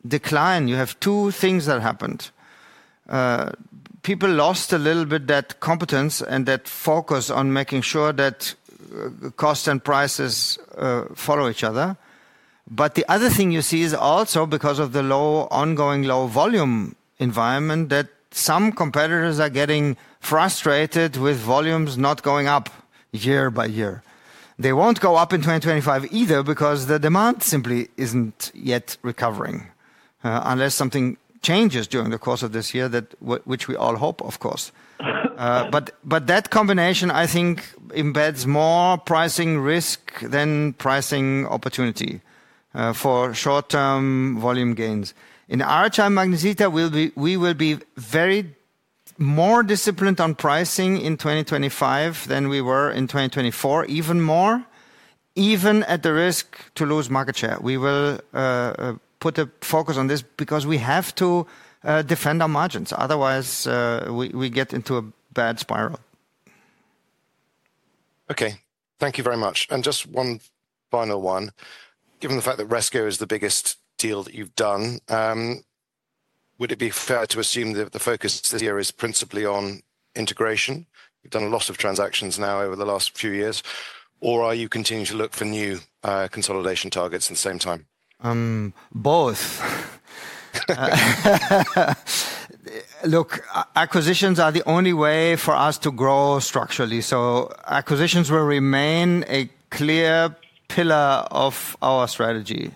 decline, you have two things that happened. People lost a little bit that confidence and that focus on making sure that costs and prices follow each other. But the other thing you see is also because of the low, ongoing low-volume environment that some competitors are getting frustrated with volumes not going up year-by-year. They won't go up in 2025 either because the demand simply isn't yet recovering unless something changes during the course of this year, which we all hope, of course. But that combination, I think, embeds more pricing risk than pricing opportunity for short-term volume gains. In our time at Magnesita, we will be even more disciplined on pricing in 2025 than we were in 2024, even more, even at the risk to lose market share. We will put a focus on this because we have to defend our margins. Otherwise, we get into a bad spiral. Okay. Thank you very much and just one final one. Given the fact that Resco is the biggest deal that you've done, would it be fair to assume that the focus this year is principally on integration? You've done a lot of transactions now over the last few years. Or are you continuing to look for new consolidation targets at the same time? Both. Look, acquisitions are the only way for us to grow structurally. So acquisitions will remain a clear pillar of our strategy.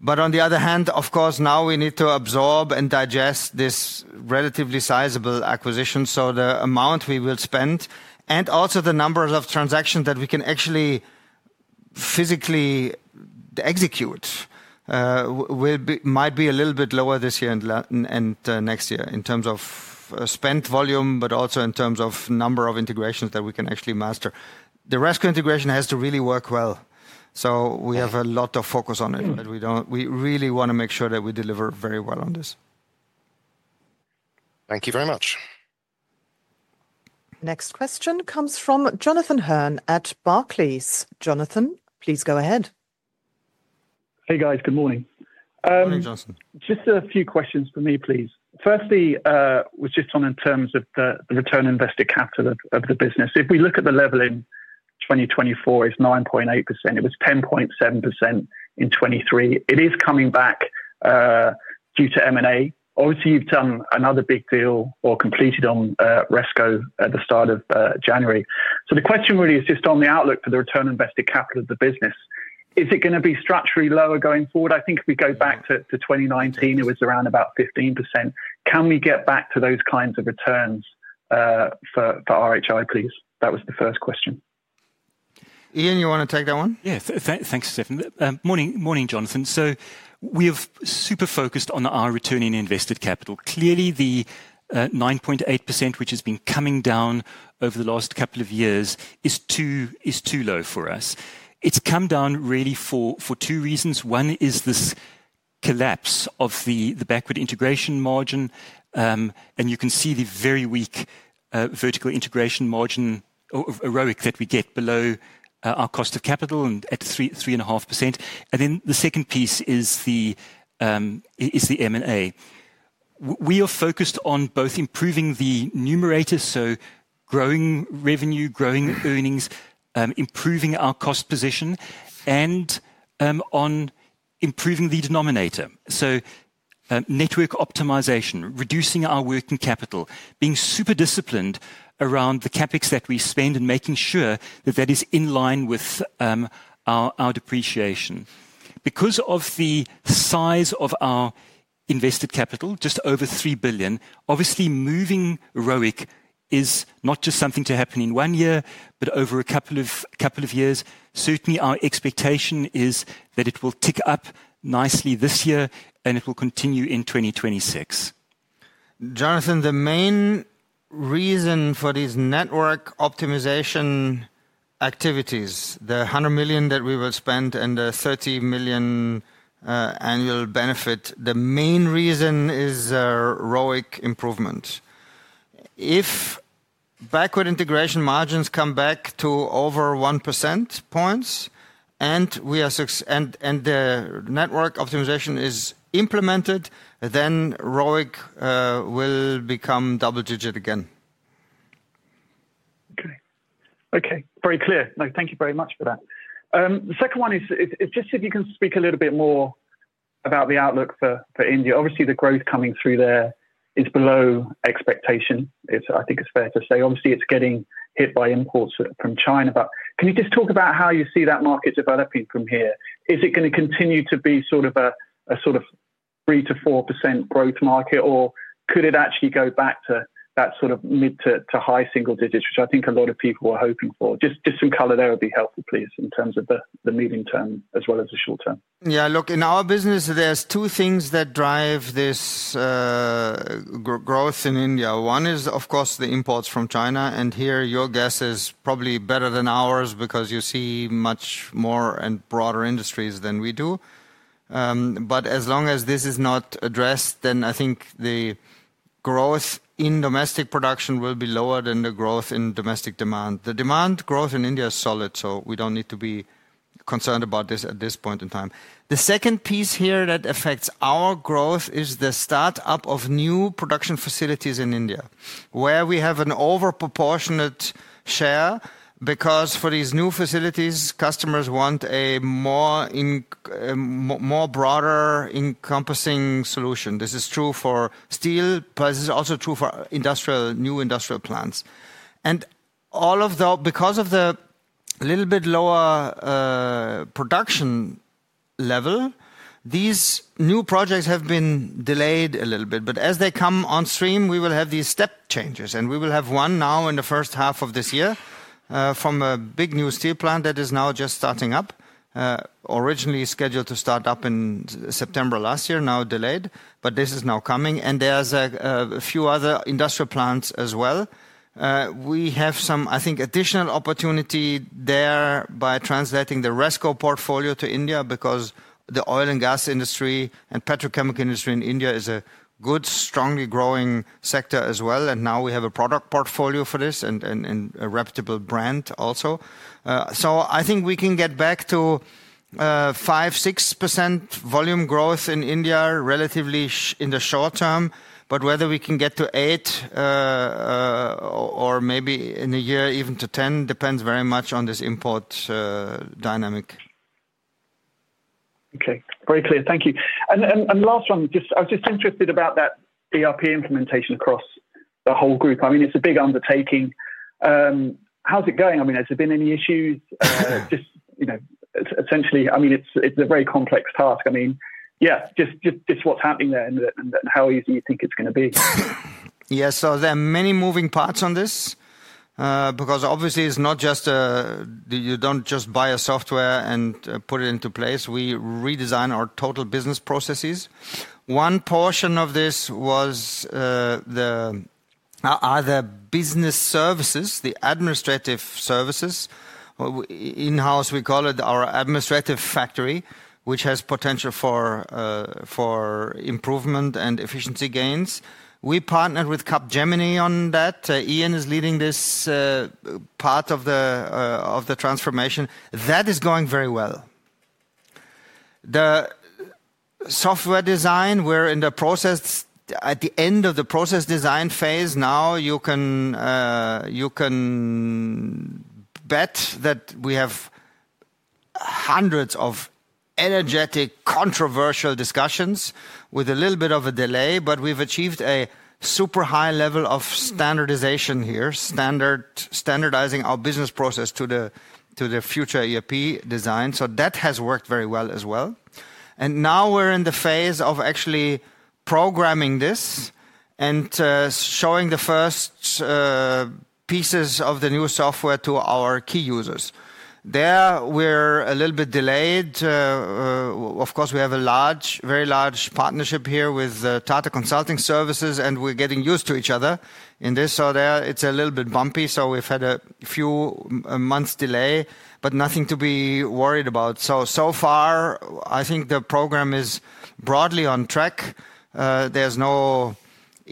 But on the other hand, of course, now we need to absorb and digest this relatively sizable acquisition. So the amount we will spend and also the numbers of transactions that we can actually physically execute might be a little bit lower this year and next year in terms of spent volume, but also in terms of number of integrations that we can actually master. The Resco integration has to really work well. So we have a lot of focus on it, but we really want to make sure that we deliver very well on this. Thank you very much. Next question comes from Jonathan Hurn at Barclays. Jonathan, please go ahead. Hey, guys. Good morning. Hey, Jonathan. Just a few questions for me, please. Firstly, I was just on in terms of the return on invested capital of the business. If we look at the level in 2024, it's 9.8%. It was 10.7% in 2023. It is coming back due to M&A. Obviously, you've done another big deal or completed on Resco at the start of January. So the question really is just on the outlook for the return on invested capital of the business. Is it going to be structurally lower going forward? I think if we go back to 2019, it was around about 15%. Can we get back to those kinds of returns for RHI, please? That was the first question. Ian, you want to take that one? Yeah. Thanks, Stefan. Morning, Jonathan. So we have super focused on our return on invested capital. Clearly, the 9.8%, which has been coming down over the last couple of years, is too low for us. It's come down really for two reasons. One is this collapse of the backward integration margin. And you can see the very weak vertical integration margin or our ROIC that we get below our cost of capital at 3.5%. And then the second piece is the M&A. We are focused on both improving the numerator, so growing revenue, growing earnings, improving our cost position, and on improving the denominator. Network optimization, reducing our working capital, being super disciplined around the CapEx that we spend, and making sure that that is in line with our depreciation. Because of the size of our invested capital, just over 3 billion, obviously moving ROIC is not just something to happen in one year, but over a couple of years. Certainly, our expectation is that it will tick up nicely this year, and it will continue in 2026. Jonathan, the main reason for these network optimization activities, the 100 million that we will spend and the 30 million annual benefit, the main reason is ROIC improvement. If backward integration margins come back to over 1 percentage points and the network optimization is implemented, then ROIC will become double-digit again. Okay. Okay. Very clear. Thank you very much for that. The second one is just if you can speak a little bit more about the outlook for India. Obviously, the growth coming through there is below expectation. I think it's fair to say. Obviously, it's getting hit by imports from China. But can you just talk about how you see that market developing from here? Is it going to continue to be sort of a sort of 3%-4% growth market, or could it actually go back to that sort of mid to high-single digits, which I think a lot of people were hoping for? Just some color there would be helpful, please, in terms of the medium term as well as the short term. Yeah. Look, in our business, there's two things that drive this growth in India. One is, of course, the imports from China. Here, your guess is probably better than ours because you see much more and broader industries than we do. As long as this is not addressed, then I think the growth in domestic production will be lower than the growth in domestic demand. The demand growth in India is solid, so we don't need to be concerned about this at this point in time. The second piece here that affects our growth is the startup of new production facilities in India, where we have an overproportionate share because for these new facilities, customers want a more broader, encompassing solution. This is true for steel, but this is also true for new industrial plants. Because of the little bit lower production level, these new projects have been delayed a little bit. But as they come on stream, we will have these step changes, and we will have one now in the first half of this year from a big new steel plant that is now just starting up, originally scheduled to start up in September last year, now delayed, but this is now coming. And there's a few other industrial plants as well. We have some, I think, additional opportunity there by translating the Resco portfolio to India because the oil and gas industry and petrochemical industry in India is a good, strongly growing sector as well. And now we have a product portfolio for this and a reputable brand also. So I think we can get back to 5%, 6% volume growth in India relatively in the short term. But whether we can get to 8% or maybe in a year even to 10% depends very much on this import dynamic. Okay. Very clear. Thank you. And last one, I was just interested about that ERP implementation across the whole group. I mean, it's a big undertaking. How's it going? I mean, has there been any issues? Just essentially, I mean, it's a very complex task. I mean, yeah, just what's happening there and how easy you think it's going to be. Yeah. So there are many moving parts on this because obviously, it's not just you don't just buy a software and put it into place. We redesign our total business processes. One portion of this was either business services, the administrative services, in-house, we call it our administrative factory, which has potential for improvement and efficiency gains. We partnered with Capgemini on that. Ian is leading this part of the transformation. That is going very well. The software design, we're in the process at the end of the process design phase. Now you can bet that we have hundreds of energetic, controversial discussions with a little bit of a delay, but we've achieved a super high level of standardization here, standardizing our business process to the future ERP design. So that has worked very well as well, and now we're in the phase of actually programming this and showing the first pieces of the new software to our key users. There, we're a little bit delayed. Of course, we have a very large partnership here with Tata Consulting Services, and we're getting used to each other in this. So there, it's a little bit bumpy. So we've had a few months' delay, but nothing to be worried about. So far, I think the program is broadly on track. There's no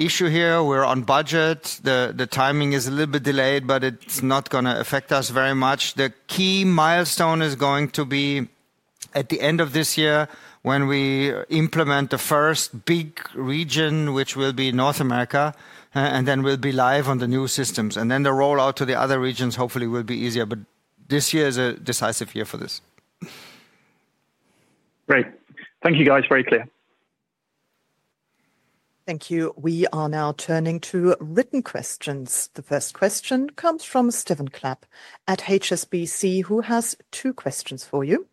issue here. We're on budget. The timing is a little bit delayed, but it's not going to affect us very much. The key milestone is going to be at the end of this year when we implement the first big region, which will be North America, and then we'll be live on the new systems, and then the rollout to the other regions, hopefully, will be easier, but this year is a decisive year for this. Great. Thank you, guys. Very clear. Thank you. We are now turning to written questions. The first question comes from Stephen Clapp at HSBC, who has two questions for you.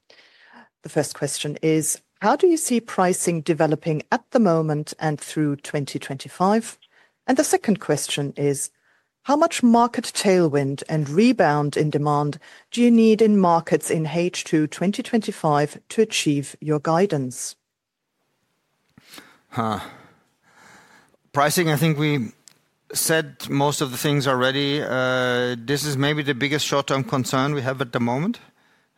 The first question is, how do you see pricing developing at the moment and through 2025? The second question is, how much market tailwind and rebound in demand do you need in markets in H2 2025 to achieve your guidance? Pricing, I think we said most of the things already. This is maybe the biggest short-term concern we have at the moment.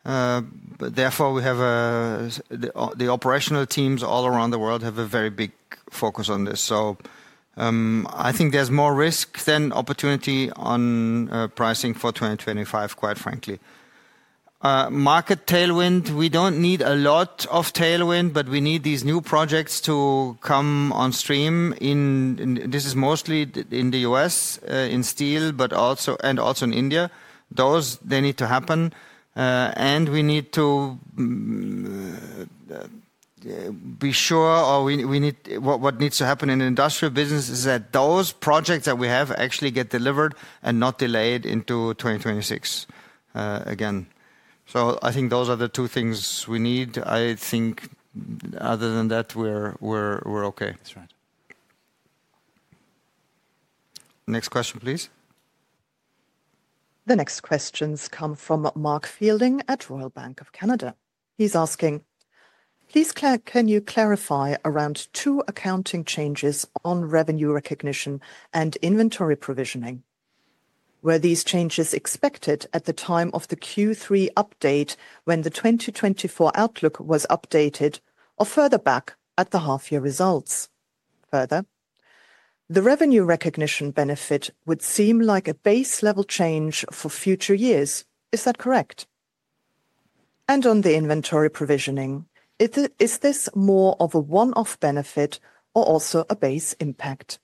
Therefore, the operational teams all around the world have a very big focus on this. So I think there's more risk than opportunity on pricing for 2025, quite frankly. Market tailwind, we don't need a lot of tailwind, but we need these new projects to come on stream. This is mostly in the U.S. in steel and also in India. Those, they need to happen. And we need to be sure what needs to happen in the industrial business is that those projects that we have actually get delivered and not delayed into 2026 again. So I think those are the two things we need. I think other than that, we're okay. That's right. Next question, please. The next questions come from Mark Fielding at Royal Bank of Canada. He's asking, please can you clarify around two accounting changes on revenue recognition and inventory provisioning? Were these changes expected at the time of the Q3 update when the 2024 outlook was updated or further back at the half-year results? Further, the revenue recognition benefit would seem like a base-level change for future years. Is that correct? And on the inventory provisioning, is this more of a one-off benefit or also a base impact?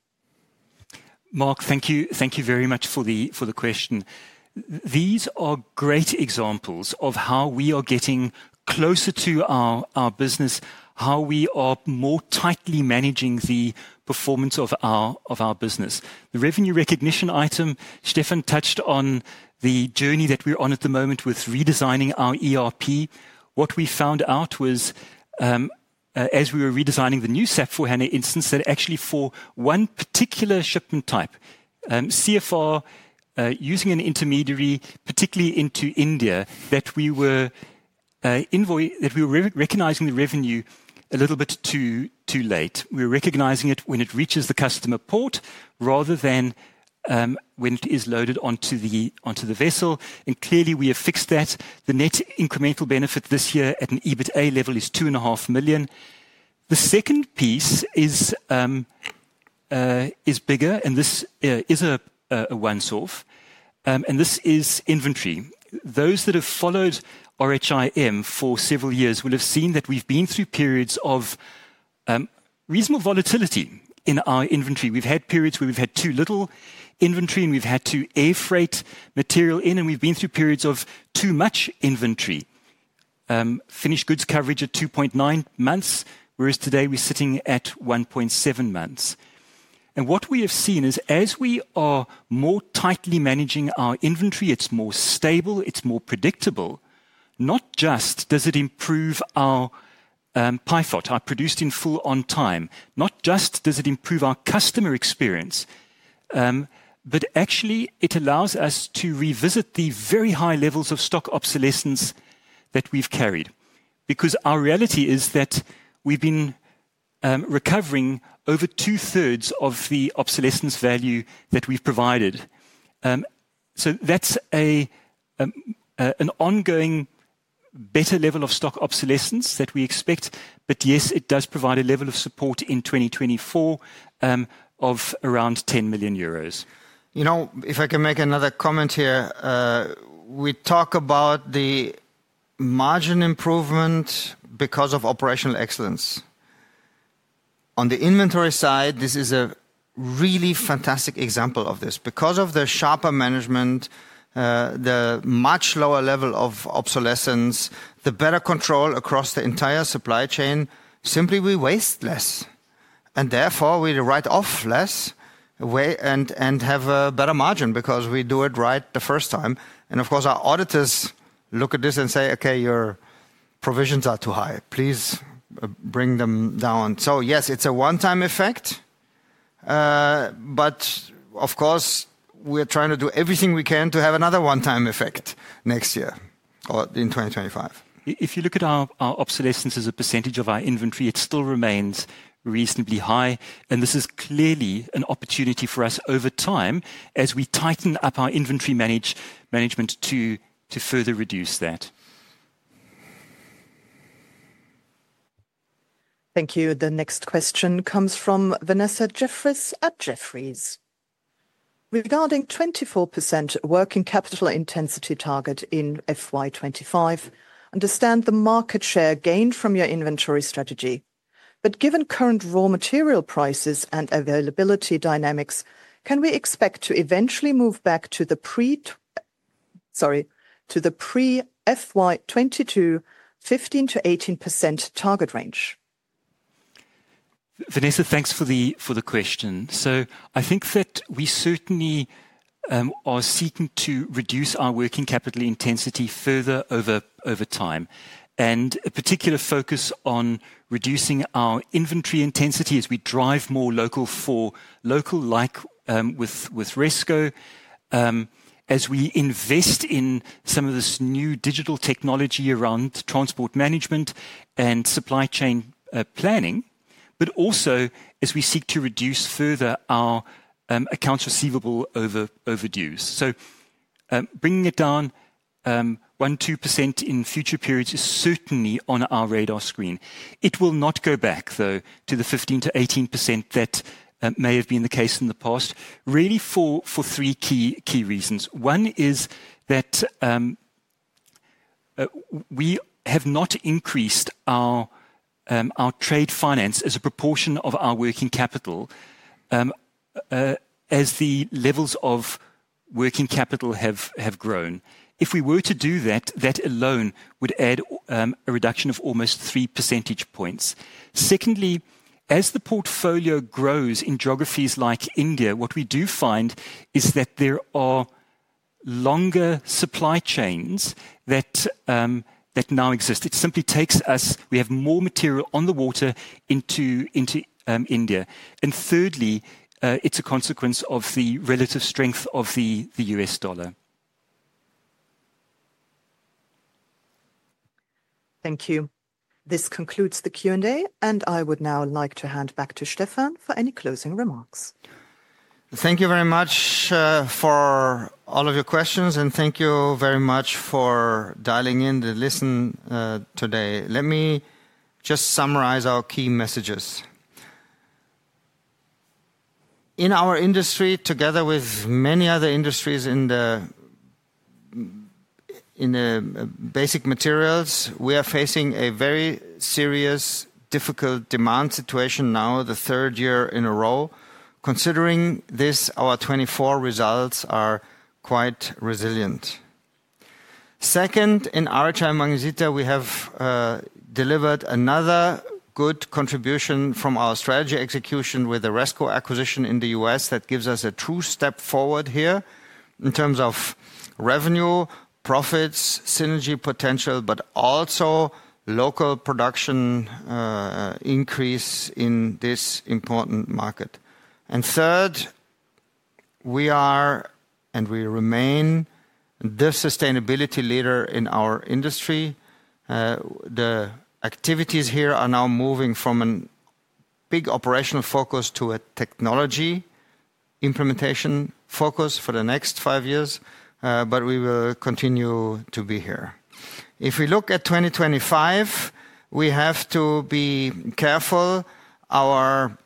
Mark, thank you very much for the question. These are great examples of how we are getting closer to our business, how we are more tightly managing the performance of our business. The revenue recognition item, Stefan touched on the journey that we're on at the moment with redesigning our ERP. What we found out was, as we were redesigning the new SAP S/4HANA instance, that actually for one particular shipment type, CFR using an intermediary, particularly into India, that we were recognizing the revenue a little bit too late. We're recognizing it when it reaches the customer port rather than when it is loaded onto the vessel. And clearly, we have fixed that. The net incremental benefit this year at an EBITDA level is 2.5 million. The second piece is bigger, and this is a one-off. And this is inventory. Those that have followed RHIM for several years will have seen that we've been through periods of reasonable volatility in our inventory. We've had periods where we've had too little inventory, and we've had to air freight material in, and we've been through periods of too much inventory. Finished goods coverage at 2.9 months, whereas today we're sitting at 1.7 months. What we have seen is, as we are more tightly managing our inventory, it's more stable, it's more predictable. Not just does it improve our PIFOT, our produced in full on time, not just does it improve our customer experience, but actually it allows us to revisit the very high levels of stock obsolescence that we've carried. Because our reality is that we've been recovering over 2/3 of the obsolescence value that we've provided. That's an ongoing better level of stock obsolescence that we expect. But yes, it does provide a level of support in 2024 of around 10 million euros. You know, if I can make another comment here, we talk about the margin improvement because of operational excellence. On the inventory side, this is a really fantastic example of this. Because of the sharper management, the much lower level of obsolescence, the better control across the entire supply chain, simply we waste less. And therefore, we write off less and have a better margin because we do it right the first time. And of course, our auditors look at this and say, okay, your provisions are too high. Please bring them down. So yes, it's a one-time effect. But of course, we're trying to do everything we can to have another one-time effect next year or in 2025. If you look at our obsolescence as a percentage of our inventory, it still remains reasonably high. And this is clearly an opportunity for us over time as we tighten up our inventory management to further reduce that. Thank you. The next question comes from Vanessa Jefferies at Jefferies. Regarding 24% working capital intensity target in FY25, understand the market share gained from your inventory strategy. But given current raw material prices and availability dynamics, can we expect to eventually move back to the pre-FY22 15%-18% target range? Vanessa, thanks for the question. So I think that we certainly are seeking to reduce our working capital intensity further over time. And a particular focus on reducing our inventory intensity as we drive more local for local, like with Resco, as we invest in some of this new digital technology around transport management and supply chain planning, but also as we seek to reduce further our accounts receivable overdues. So bringing it down 1%-2% in future periods is certainly on our radar screen. It will not go back, though, to the 15%-18% that may have been the case in the past, really for three key reasons. One is that we have not increased our trade finance as a proportion of our working capital as the levels of working capital have grown. If we were to do that, that alone would add a reduction of almost three percentage points. Secondly, as the portfolio grows in geographies like India, what we do find is that there are longer supply chains that now exist. It simply takes us, we have more material on the water into India. And thirdly, it's a consequence of the relative strength of the U.S. dollar. Thank you. This concludes the Q&A, and I would now like to hand back to Stefan for any closing remarks. Thank you very much for all of your questions, and thank you very much for dialing in to listen today. Let me just summarize our key messages. In our industry, together with many other industries in the basic materials, we are facing a very serious, difficult demand situation now, the third year in a row. Considering this, our 2024 results are quite resilient. Second, in RHI Magnesita, we have delivered another good contribution from our strategy execution with the Resco acquisition in the U.S. that gives us a true step forward here in terms of revenue, profits, synergy potential, but also local production increase in this important market. And third, we are and we remain the sustainability leader in our industry. The activities here are now moving from a big operational focus to a technology implementation focus for the next five years, but we will continue to be here. If we look at 2025, we have to be careful. Our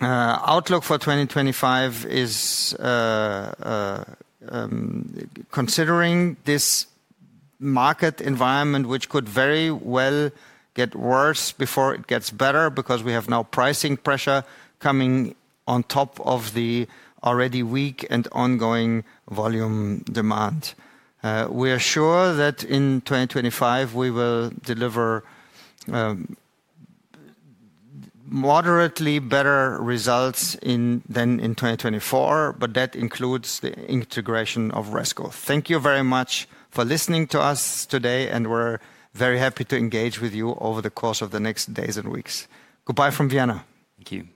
outlook for 2025 is considering this market environment, which could very well get worse before it gets better because we have now pricing pressure coming on top of the already weak and ongoing volume demand. We are sure that in 2025, we will deliver moderately better results than in 2024, but that includes the integration of Resco. Thank you very much for listening to us today, and we're very happy to engage with you over the course of the next days and weeks. Goodbye from Vienna. Thank you.